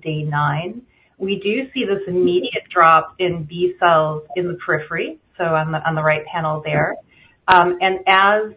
day 9, we do see this immediate drop in B cells in the periphery, so on the right panel there. And as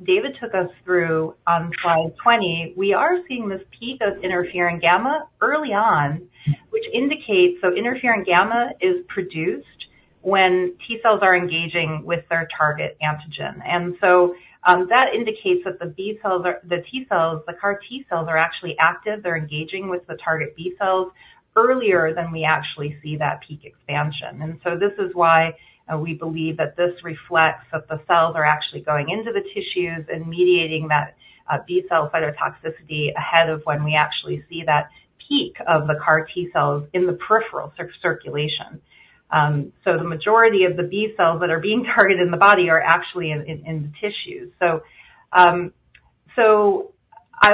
David took us through on Slide 20, we are seeing this peak of interferon gamma early on, which indicates... So interferon gamma is produced when T cells are engaging with their target antigen. And so, that indicates that the B cells are, the T cells, the CAR T cells are actually active. They're engaging with the target B cells earlier than we actually see that peak expansion. And so this is why we believe that this reflects that the cells are actually going into the tissues and mediating that B cell cytotoxicity ahead of when we actually see that peak of the CAR T cells in the peripheral circulation. So the majority of the B cells that are being targeted in the body are actually in the tissues. So I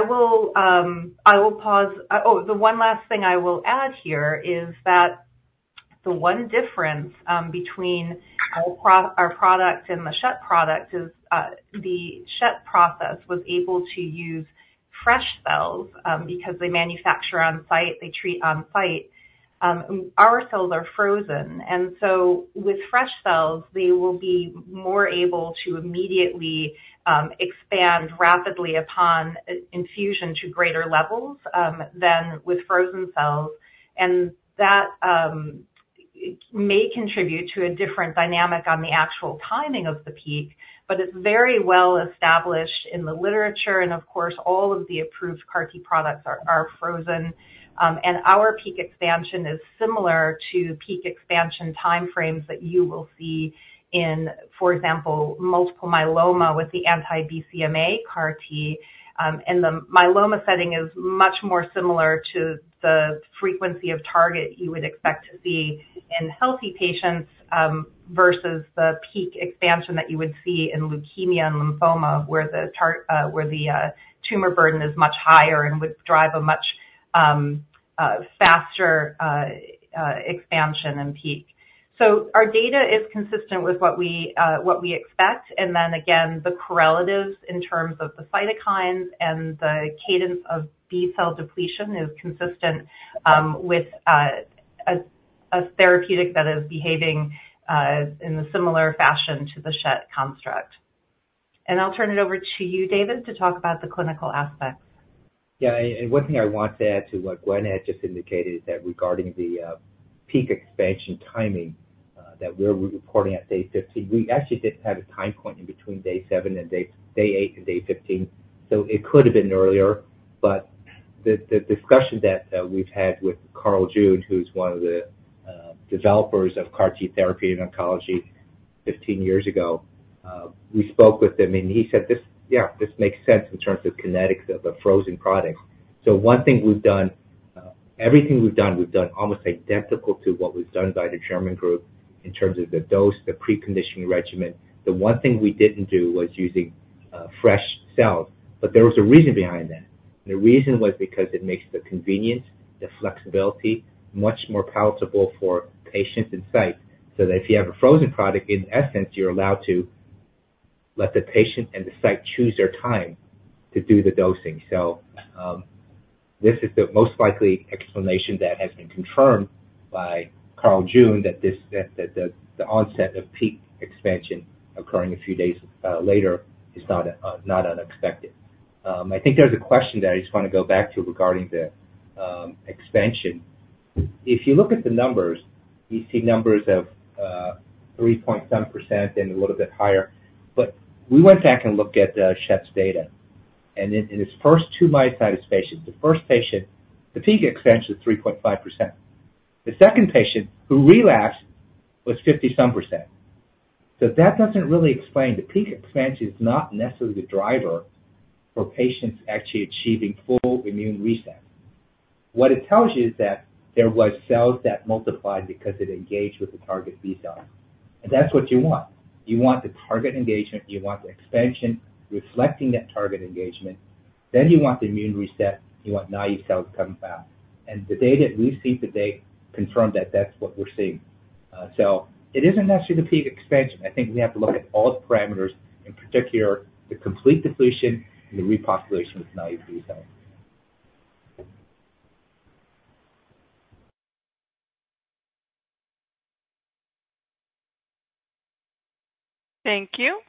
will pause. Oh, the one last thing I will add here is that the one difference between our product and the Schett product is the Schett process was able to use fresh cells because they manufacture on site, they treat on site. Our cells are frozen, and so with fresh cells, they will be more able to immediately expand rapidly upon infusion to greater levels than with frozen cells. And that may contribute to a different dynamic on the actual timing of the peak, but it's very well established in the literature, and of course, all of the approved CAR T products are frozen. And our peak expansion is similar to peak expansion timeframes that you will see in, for example, multiple myeloma with the anti-BCMA CAR T. And the myeloma setting is much more similar to the frequency of target you would expect to see in healthy patients versus the peak expansion that you would see in leukemia and lymphoma, where the tumor burden is much higher and would drive a much faster expansion and peak. So our data is consistent with what we expect, and then again, the correlatives in terms of the cytokines and the cadence of B-cell depletion is consistent with a therapeutic that is behaving in a similar fashion to the Schett construct. And I'll turn it over to you, David, to talk about the clinical aspects. Yeah, and one thing I want to add to what Gwen had just indicated is that regarding the peak expansion timing that we're reporting at day 15, we actually didn't have a time point in between day seven and day eight and day 15, so it could have been earlier. But the discussion that we've had with Carl June, who's one of the developers of CAR T therapy in oncology 15 years ago, we spoke with him, and he said, "This-- yeah, this makes sense in terms of kinetics of a frozen product." So one thing we've done, everything we've done, we've done almost identical to what was done by the German group in terms of the dose, the pre-conditioning regimen. The one thing we didn't do was using fresh cells, but there was a reason behind that. The reason was because it makes the convenience, the flexibility, much more palatable for patients and sites, so that if you have a frozen product, in essence, you're allowed to let the patient and the site choose their time to do the dosing. So, this is the most likely explanation that has been confirmed by Carl June, that the onset of peak expansion occurring a few days later is not unexpected. I think there's a question that I just want to go back to regarding the expansion. If you look at the numbers, you see numbers of-... 3.something% and a little bit higher. But we went back and looked at Schett's data, and in his first two myositis patients, the first patient, the peak expansion is 3.5%. The second patient, who relapsed, was 50-something%. So that doesn't really explain. The peak expansion is not necessarily the driver for patients actually achieving full immune reset. What it tells you is that there were cells that multiplied because it engaged with the target B cell. And that's what you want. You want the target engagement, you want the expansion reflecting that target engagement, then you want the immune reset, you want naive cells coming back. And the data we've seen to date confirmed that that's what we're seeing. So it isn't necessarily the peak expansion. I think we have to look at all the parameters, in particular, the complete depletion and the repopulation of naive B cells. Thank you.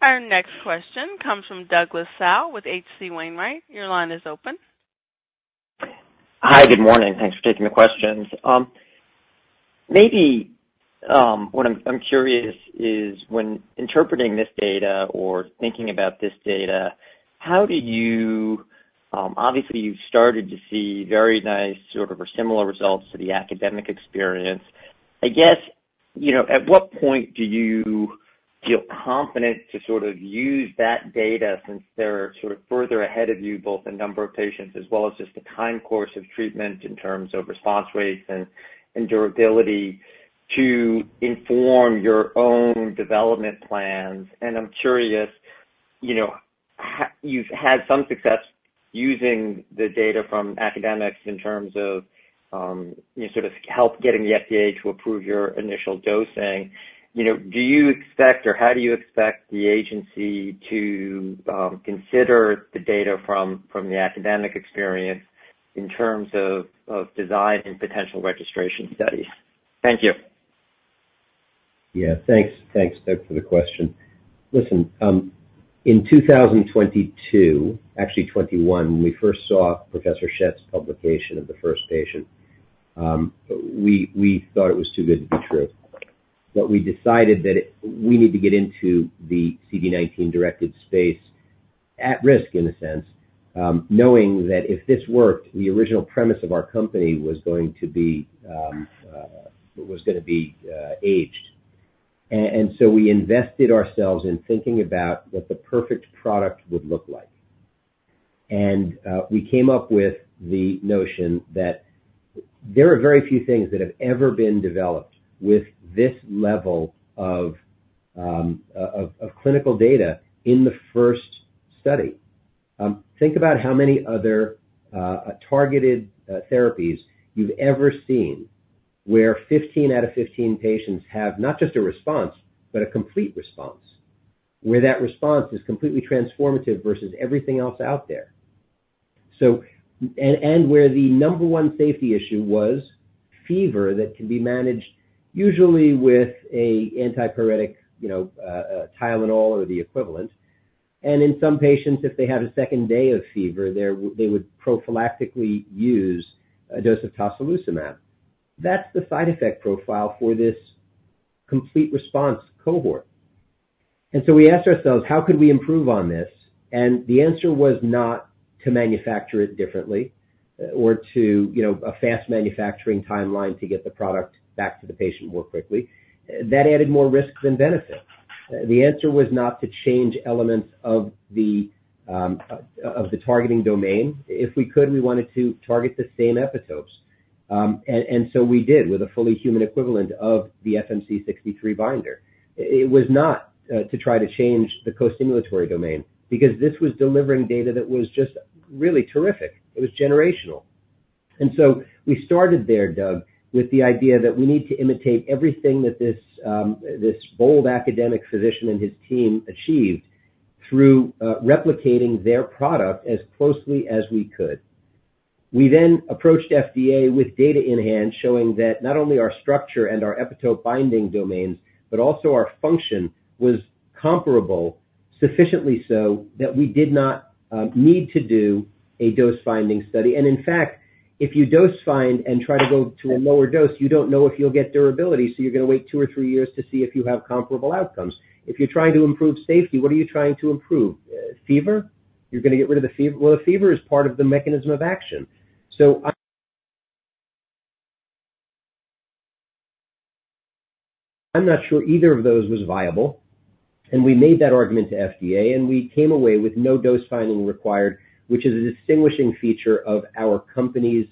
Our next question comes from Douglas Tsao with H.C. Wainwright. Your line is open. Hi, good morning. Thanks for taking the questions. Maybe, what I'm curious is, when interpreting this data or thinking about this data, how do you-- obviously, you've started to see very nice sort of, or similar results to the academic experience. I guess, you know, at what point do you feel confident to sort of use that data since they're sort of further ahead of you, both the number of patients as well as just the time course of treatment in terms of response rates and durability to inform your own development plans? And I'm curious, you know, you've had some success using the data from academics in terms of, you sort of help getting the FDA to approve your initial dosing. You know, do you expect, or how do you expect the agency to consider the data from the academic experience in terms of design and potential registration studies? Thank you. Yeah, thanks. Thanks, Doug, for the question. Listen, in 2022, actually 2021, when we first saw Professor Schett's publication of the first patient, we thought it was too good to be true. But we decided that we need to get into the CD19-directed space at risk, in a sense, knowing that if this worked, the original premise of our company was going to be aged. And so we invested ourselves in thinking about what the perfect product would look like. And we came up with the notion that there are very few things that have ever been developed with this level of clinical data in the first study. Think about how many other targeted therapies you've ever seen, where 15 out of 15 patients have not just a response, but a complete response, where that response is completely transformative versus everything else out there. So, where the number one safety issue was fever that can be managed usually with an antipyretic, you know, Tylenol or the equivalent. And in some patients, if they had a second day of fever, they would prophylactically use a dose of tocilizumab. That's the side effect profile for this complete response cohort. And so we asked ourselves, how could we improve on this? And the answer was not to manufacture it differently or to, you know, a fast manufacturing timeline to get the product back to the patient more quickly. That added more risk than benefit. The answer was not to change elements of the targeting domain. If we could, we wanted to target the same epitopes. And so we did, with a fully human equivalent of the FMC63 binder. It was not to try to change the costimulatory domain, because this was delivering data that was just really terrific. It was generational. And so we started there, Doug, with the idea that we need to imitate everything that this bold academic physician and his team achieved through replicating their product as closely as we could. We then approached FDA with data in hand showing that not only our structure and our epitope binding domains, but also our function, was comparable sufficiently so that we did not need to do a dose-finding study. In fact, if you dose find and try to go to a lower dose, you don't know if you'll get durability, so you're gonna wait two or three years to see if you have comparable outcomes. If you're trying to improve safety, what are you trying to improve? Fever? You're gonna get rid of the fever. Well, the fever is part of the mechanism of action. So I'm not sure either of those was viable, and we made that argument to FDA, and we came away with no dose finding required, which is a distinguishing feature of our company's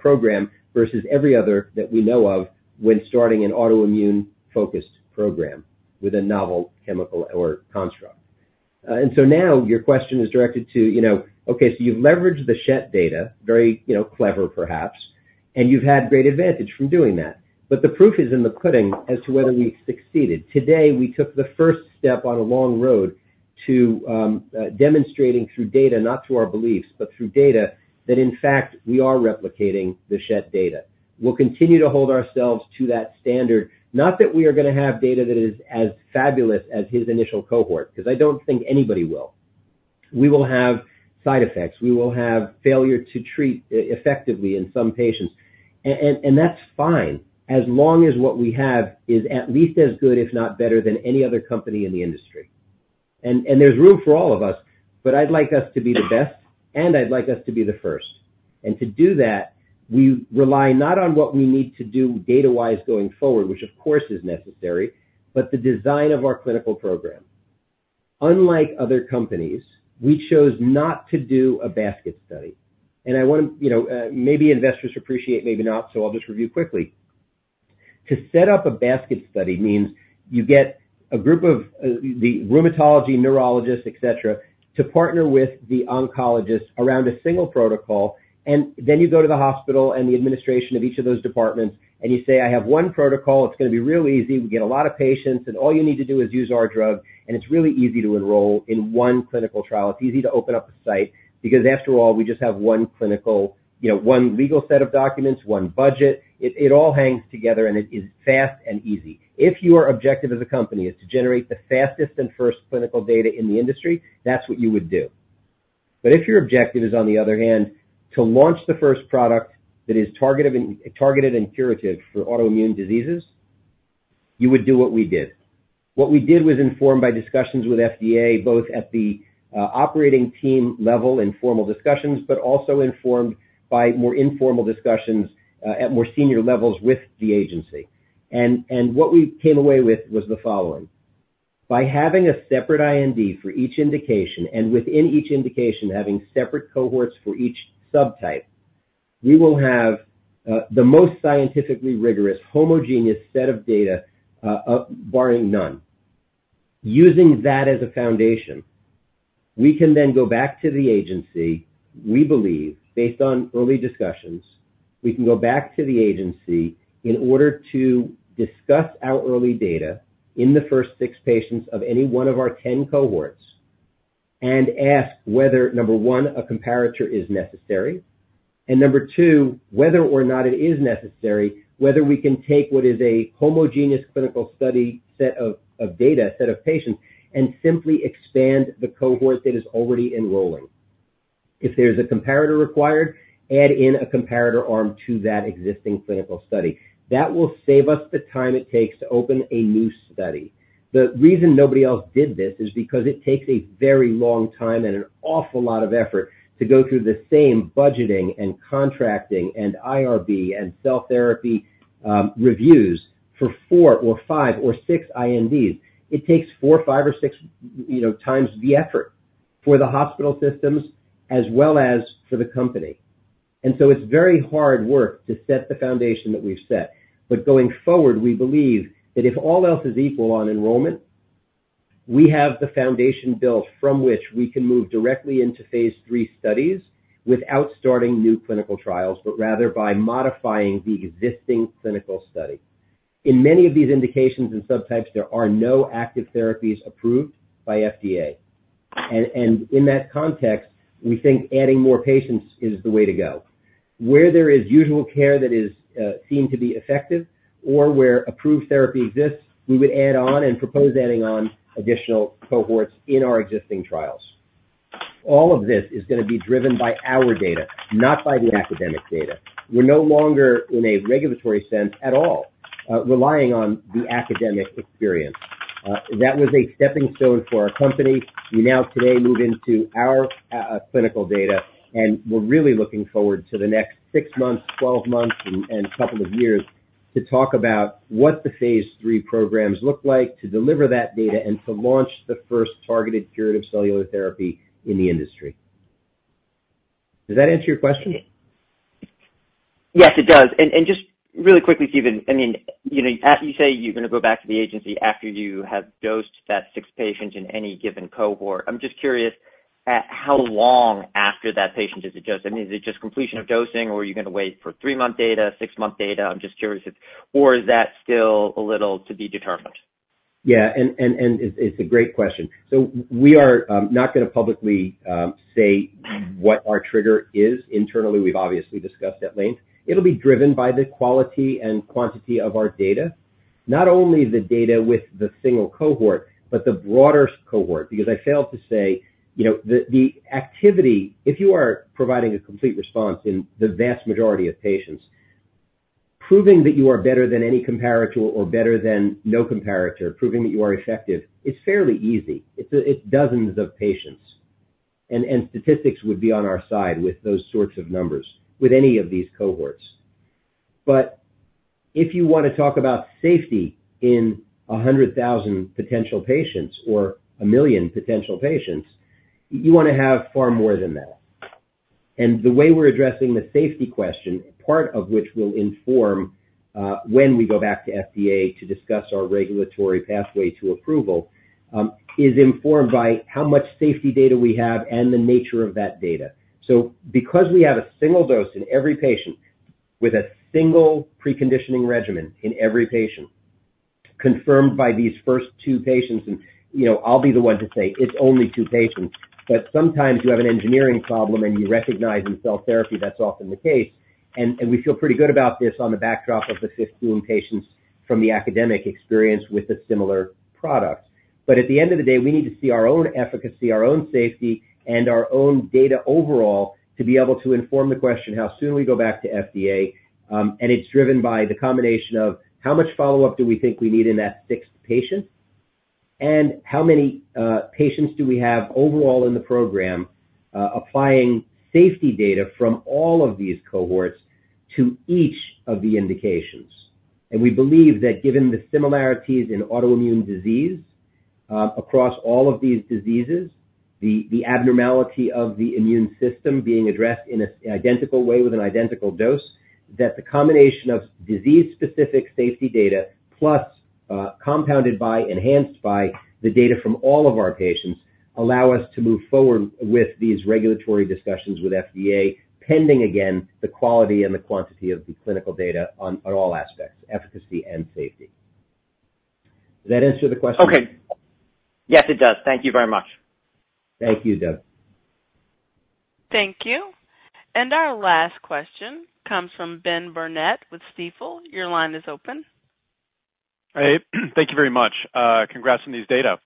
program versus every other that we know of when starting an autoimmune-focused program with a novel chemical or construct. and so now your question is directed to, you know, okay, so you've leveraged the Schett data, very, you know, clever perhaps, and you've had great advantage from doing that. But the proof is in the pudding as to whether we've succeeded. Today, we took the first step on a long road to, demonstrating through data, not through our beliefs, but through data, that in fact, we are replicating the Schett data. We'll continue to hold ourselves to that standard, not that we are gonna have data that is as fabulous as his initial cohort, because I don't think anybody will.... we will have side effects, we will have failure to treat, effectively in some patients. And that's fine, as long as what we have is at least as good, if not better than any other company in the industry. And there's room for all of us, but I'd like us to be the best, and I'd like us to be the first. And to do that, we rely not on what we need to do data-wise going forward, which of course, is necessary, but the design of our clinical program. Unlike other companies, we chose not to do a basket study, and I want to, you know, maybe investors appreciate, maybe not, so I'll just review quickly. To set up a basket study means you get a group of the rheumatology, neurologists, et cetera, to partner with the oncologist around a single protocol, and then you go to the hospital and the administration of each of those departments, and you say, "I have one protocol. It's gonna be really easy. We get a lot of patients, and all you need to do is use our drug, and it's really easy to enroll in one clinical trial. It's easy to open up a site, because after all, we just have one clinical... You know, one legal set of documents, one budget. It, it all hangs together, and it is fast and easy." If your objective as a company is to generate the fastest and first clinical data in the industry, that's what you would do. But if your objective is, on the other hand, to launch the first product that is targeted and, targeted and curative for autoimmune diseases, you would do what we did. What we did was informed by discussions with FDA, both at the, operating team level in formal discussions, but also informed by more informal discussions, at more senior levels with the agency. What we came away with was the following: by having a separate IND for each indication, and within each indication, having separate cohorts for each subtype, we will have the most scientifically rigorous, homogeneous set of data, barring none. Using that as a foundation, we can then go back to the agency, we believe, based on early discussions, we can go back to the agency in order to discuss our early data in the first 6 patients of any one of our 10 cohorts, and ask whether, number one, a comparator is necessary, and number two, whether or not it is necessary, whether we can take what is a homogeneous clinical study set of data, set of patients, and simply expand the cohort that is already enrolling. If there's a comparator required, add in a comparator arm to that existing clinical study. That will save us the time it takes to open a new study. The reason nobody else did this is because it takes a very long time and an awful lot of effort to go through the same budgeting and contracting, and IRB, and cell therapy reviews for 4 or 5 or 6 INDs. It takes 4, 5, or 6, you know, times the effort for the hospital systems as well as for the company. And so it's very hard work to set the foundation that we've set. But going forward, we believe that if all else is equal on enrollment, we have the foundation built from which we can move directly into Phase III studies without starting new clinical trials, but rather by modifying the existing clinical study. In many of these indications and subtypes, there are no active therapies approved by FDA. In that context, we think adding more patients is the way to go. Where there is usual care that is deemed to be effective or where approved therapy exists, we would add on and propose adding on additional cohorts in our existing trials. All of this is gonna be driven by our data, not by the academic data. We're no longer, in a regulatory sense, at all, relying on the academic experience. That was a stepping stone for our company. We now today move into our clinical data, and we're really looking forward to the next six months, 12 months, and couple of years to talk about what the Phase III programs look like, to deliver that data, and to launch the first targeted curative cellular therapy in the industry. Does that answer your question? Yes, it does. And just really quickly, Steven, I mean, you know, as you say, you're gonna go back to the agency after you have dosed that six patients in any given cohort. I'm just curious, at how long after that patient is dosed? I mean, is it just completion of dosing, or are you gonna wait for three month data, six month data? I'm just curious if... Or is that still a little to be determined? Yeah, and it's a great question. So we are not gonna publicly say what our trigger is. Internally, we've obviously discussed at length. It'll be driven by the quality and quantity of our data, not only the data with the single cohort, but the broader cohort. Because I failed to say, you know, the activity, if you are providing a complete response in the vast majority of patients, proving that you are better than any comparator or better than no comparator, proving that you are effective, it's fairly easy. It's dozens of patients. And statistics would be on our side with those sorts of numbers, with any of these cohorts. But if you want to talk about safety in 100,000 potential patients or 1,000,000 potential patients, you want to have far more than that. The way we're addressing the safety question, part of which will inform when we go back to FDA to discuss our regulatory pathway to approval, is informed by how much safety data we have and the nature of that data. So because we have a single dose in every patient, with a single preconditioning regimen in every patient, confirmed by these first two patients, and, you know, I'll be the one to say, it's only two patients, but sometimes you have an engineering problem, and you recognize in cell therapy that's often the case... We feel pretty good about this on the backdrop of the 15 patients from the academic experience with a similar product. But at the end of the day, we need to see our own efficacy, our own safety, and our own data overall, to be able to inform the question, how soon we go back to FDA. And it's driven by the combination of how much follow-up do we think we need in that sixth patient, and how many patients do we have overall in the program, applying safety data from all of these cohorts to each of the indications? We believe that given the similarities in autoimmune disease across all of these diseases, the abnormality of the immune system being addressed in a similar identical way with an identical dose, that the combination of disease-specific safety data, plus compounded by, enhanced by the data from all of our patients, allow us to move forward with these regulatory discussions with FDA, pending again the quality and the quantity of the clinical data on all aspects, efficacy and safety. Does that answer the question? Okay. Yes, it does. Thank you very much. Thank you, Doug. Thank you. Our last question comes from Ben Burnett with Stifel. Your line is open. Hey, thank you very much. Congrats on these data.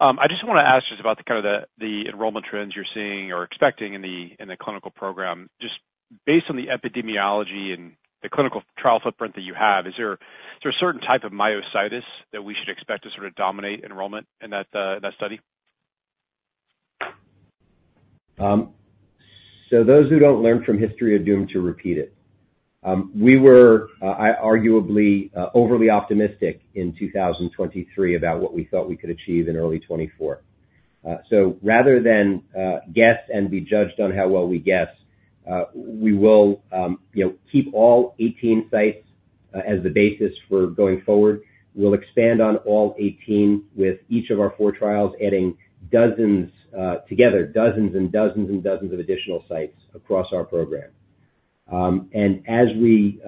I just wanna ask just about the kind of the enrollment trends you're seeing or expecting in the clinical program. Just based on the epidemiology and the clinical trial footprint that you have, is there a certain type of myositis that we should expect to sort of dominate enrollment in that study? So those who don't learn from history are doomed to repeat it. We were arguably overly optimistic in 2023 about what we thought we could achieve in early 2024. So rather than guess and be judged on how well we guess, we will, you know, keep all 18 sites as the basis for going forward. We'll expand on all 18, with each of our four trials adding dozens, together, dozens and dozens, and dozens of additional sites across our program. And as we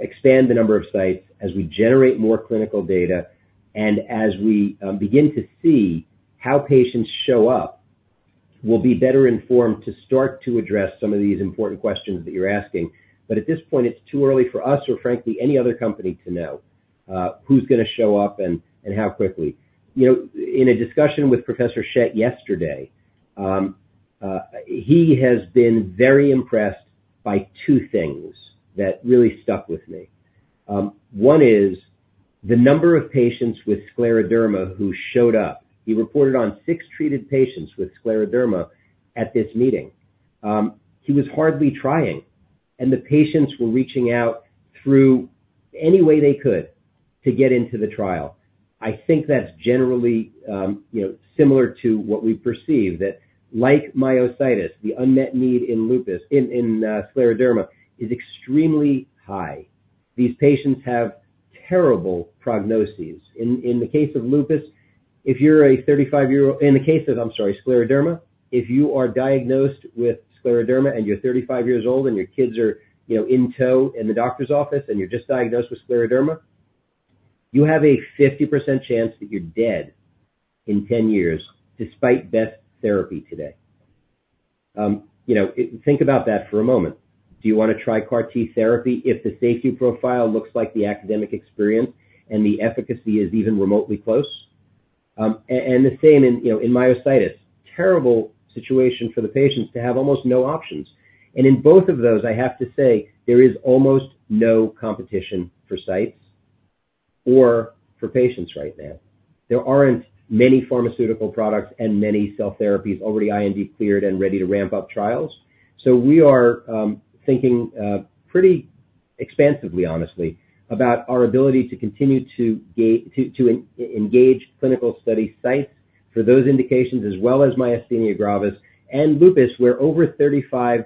expand the number of sites, as we generate more clinical data, and as we begin to see how patients show up, we'll be better informed to start to address some of these important questions that you're asking. But at this point, it's too early for us or frankly, any other company to know, who's gonna show up and how quickly. You know, in a discussion with Professor Schett yesterday, he has been very impressed by two things that really stuck with me. One is the number of patients with scleroderma who showed up. He reported on 6 treated patients with scleroderma at this meeting. He was hardly trying, and the patients were reaching out through any way they could to get into the trial. I think that's generally, you know, similar to what we perceive, that like myositis, the unmet need in lupus, in scleroderma, is extremely high. These patients have terrible prognoses. In the case of lupus, if you're a 35-year-old... In the case of, I'm sorry, scleroderma, if you are diagnosed with scleroderma and you're 35 years old, and your kids are, you know, in tow in the doctor's office, and you're just diagnosed with scleroderma, you have a 50% chance that you're dead in 10 years, despite best therapy today. You know, think about that for a moment. Do you wanna try CAR T therapy if the safety profile looks like the academic experience and the efficacy is even remotely close? And the same in, you know, in myositis. Terrible situation for the patients to have almost no options. And in both of those, I have to say, there is almost no competition for sites or for patients right now. There aren't many pharmaceutical products and many cell therapies already IND cleared and ready to ramp up trials. So we are thinking pretty expansively, honestly, about our ability to continue to engage clinical study sites for those indications, as well as myasthenia gravis and lupus, where over 35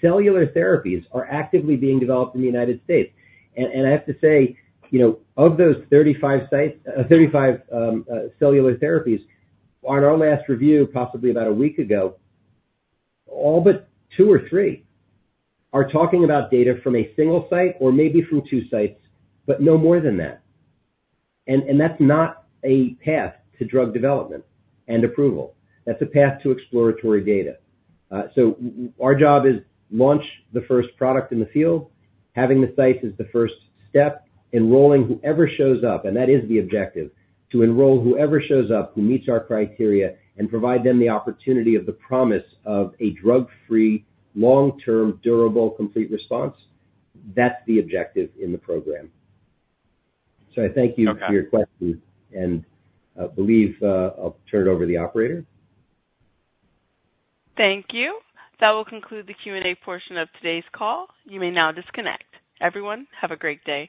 cellular therapies are actively being developed in the United States. I have to say, you know, of those 35 cellular therapies, on our last review, possibly about a week ago, all but two or three are talking about data from a single site or maybe from two sites, but no more than that. That's not a path to drug development and approval. That's a path to exploratory data. So our job is launch the first product in the field, having the sites is the first step, enrolling whoever shows up, and that is the objective, to enroll whoever shows up, who meets our criteria, and provide them the opportunity of the promise of a drug-free, long-term, durable, complete response. That's the objective in the program. So I thank you- Okay. for your question. I believe, I'll turn it over to the operator. Thank you. That will conclude the Q&A portion of today's call. You may now disconnect. Everyone, have a great day.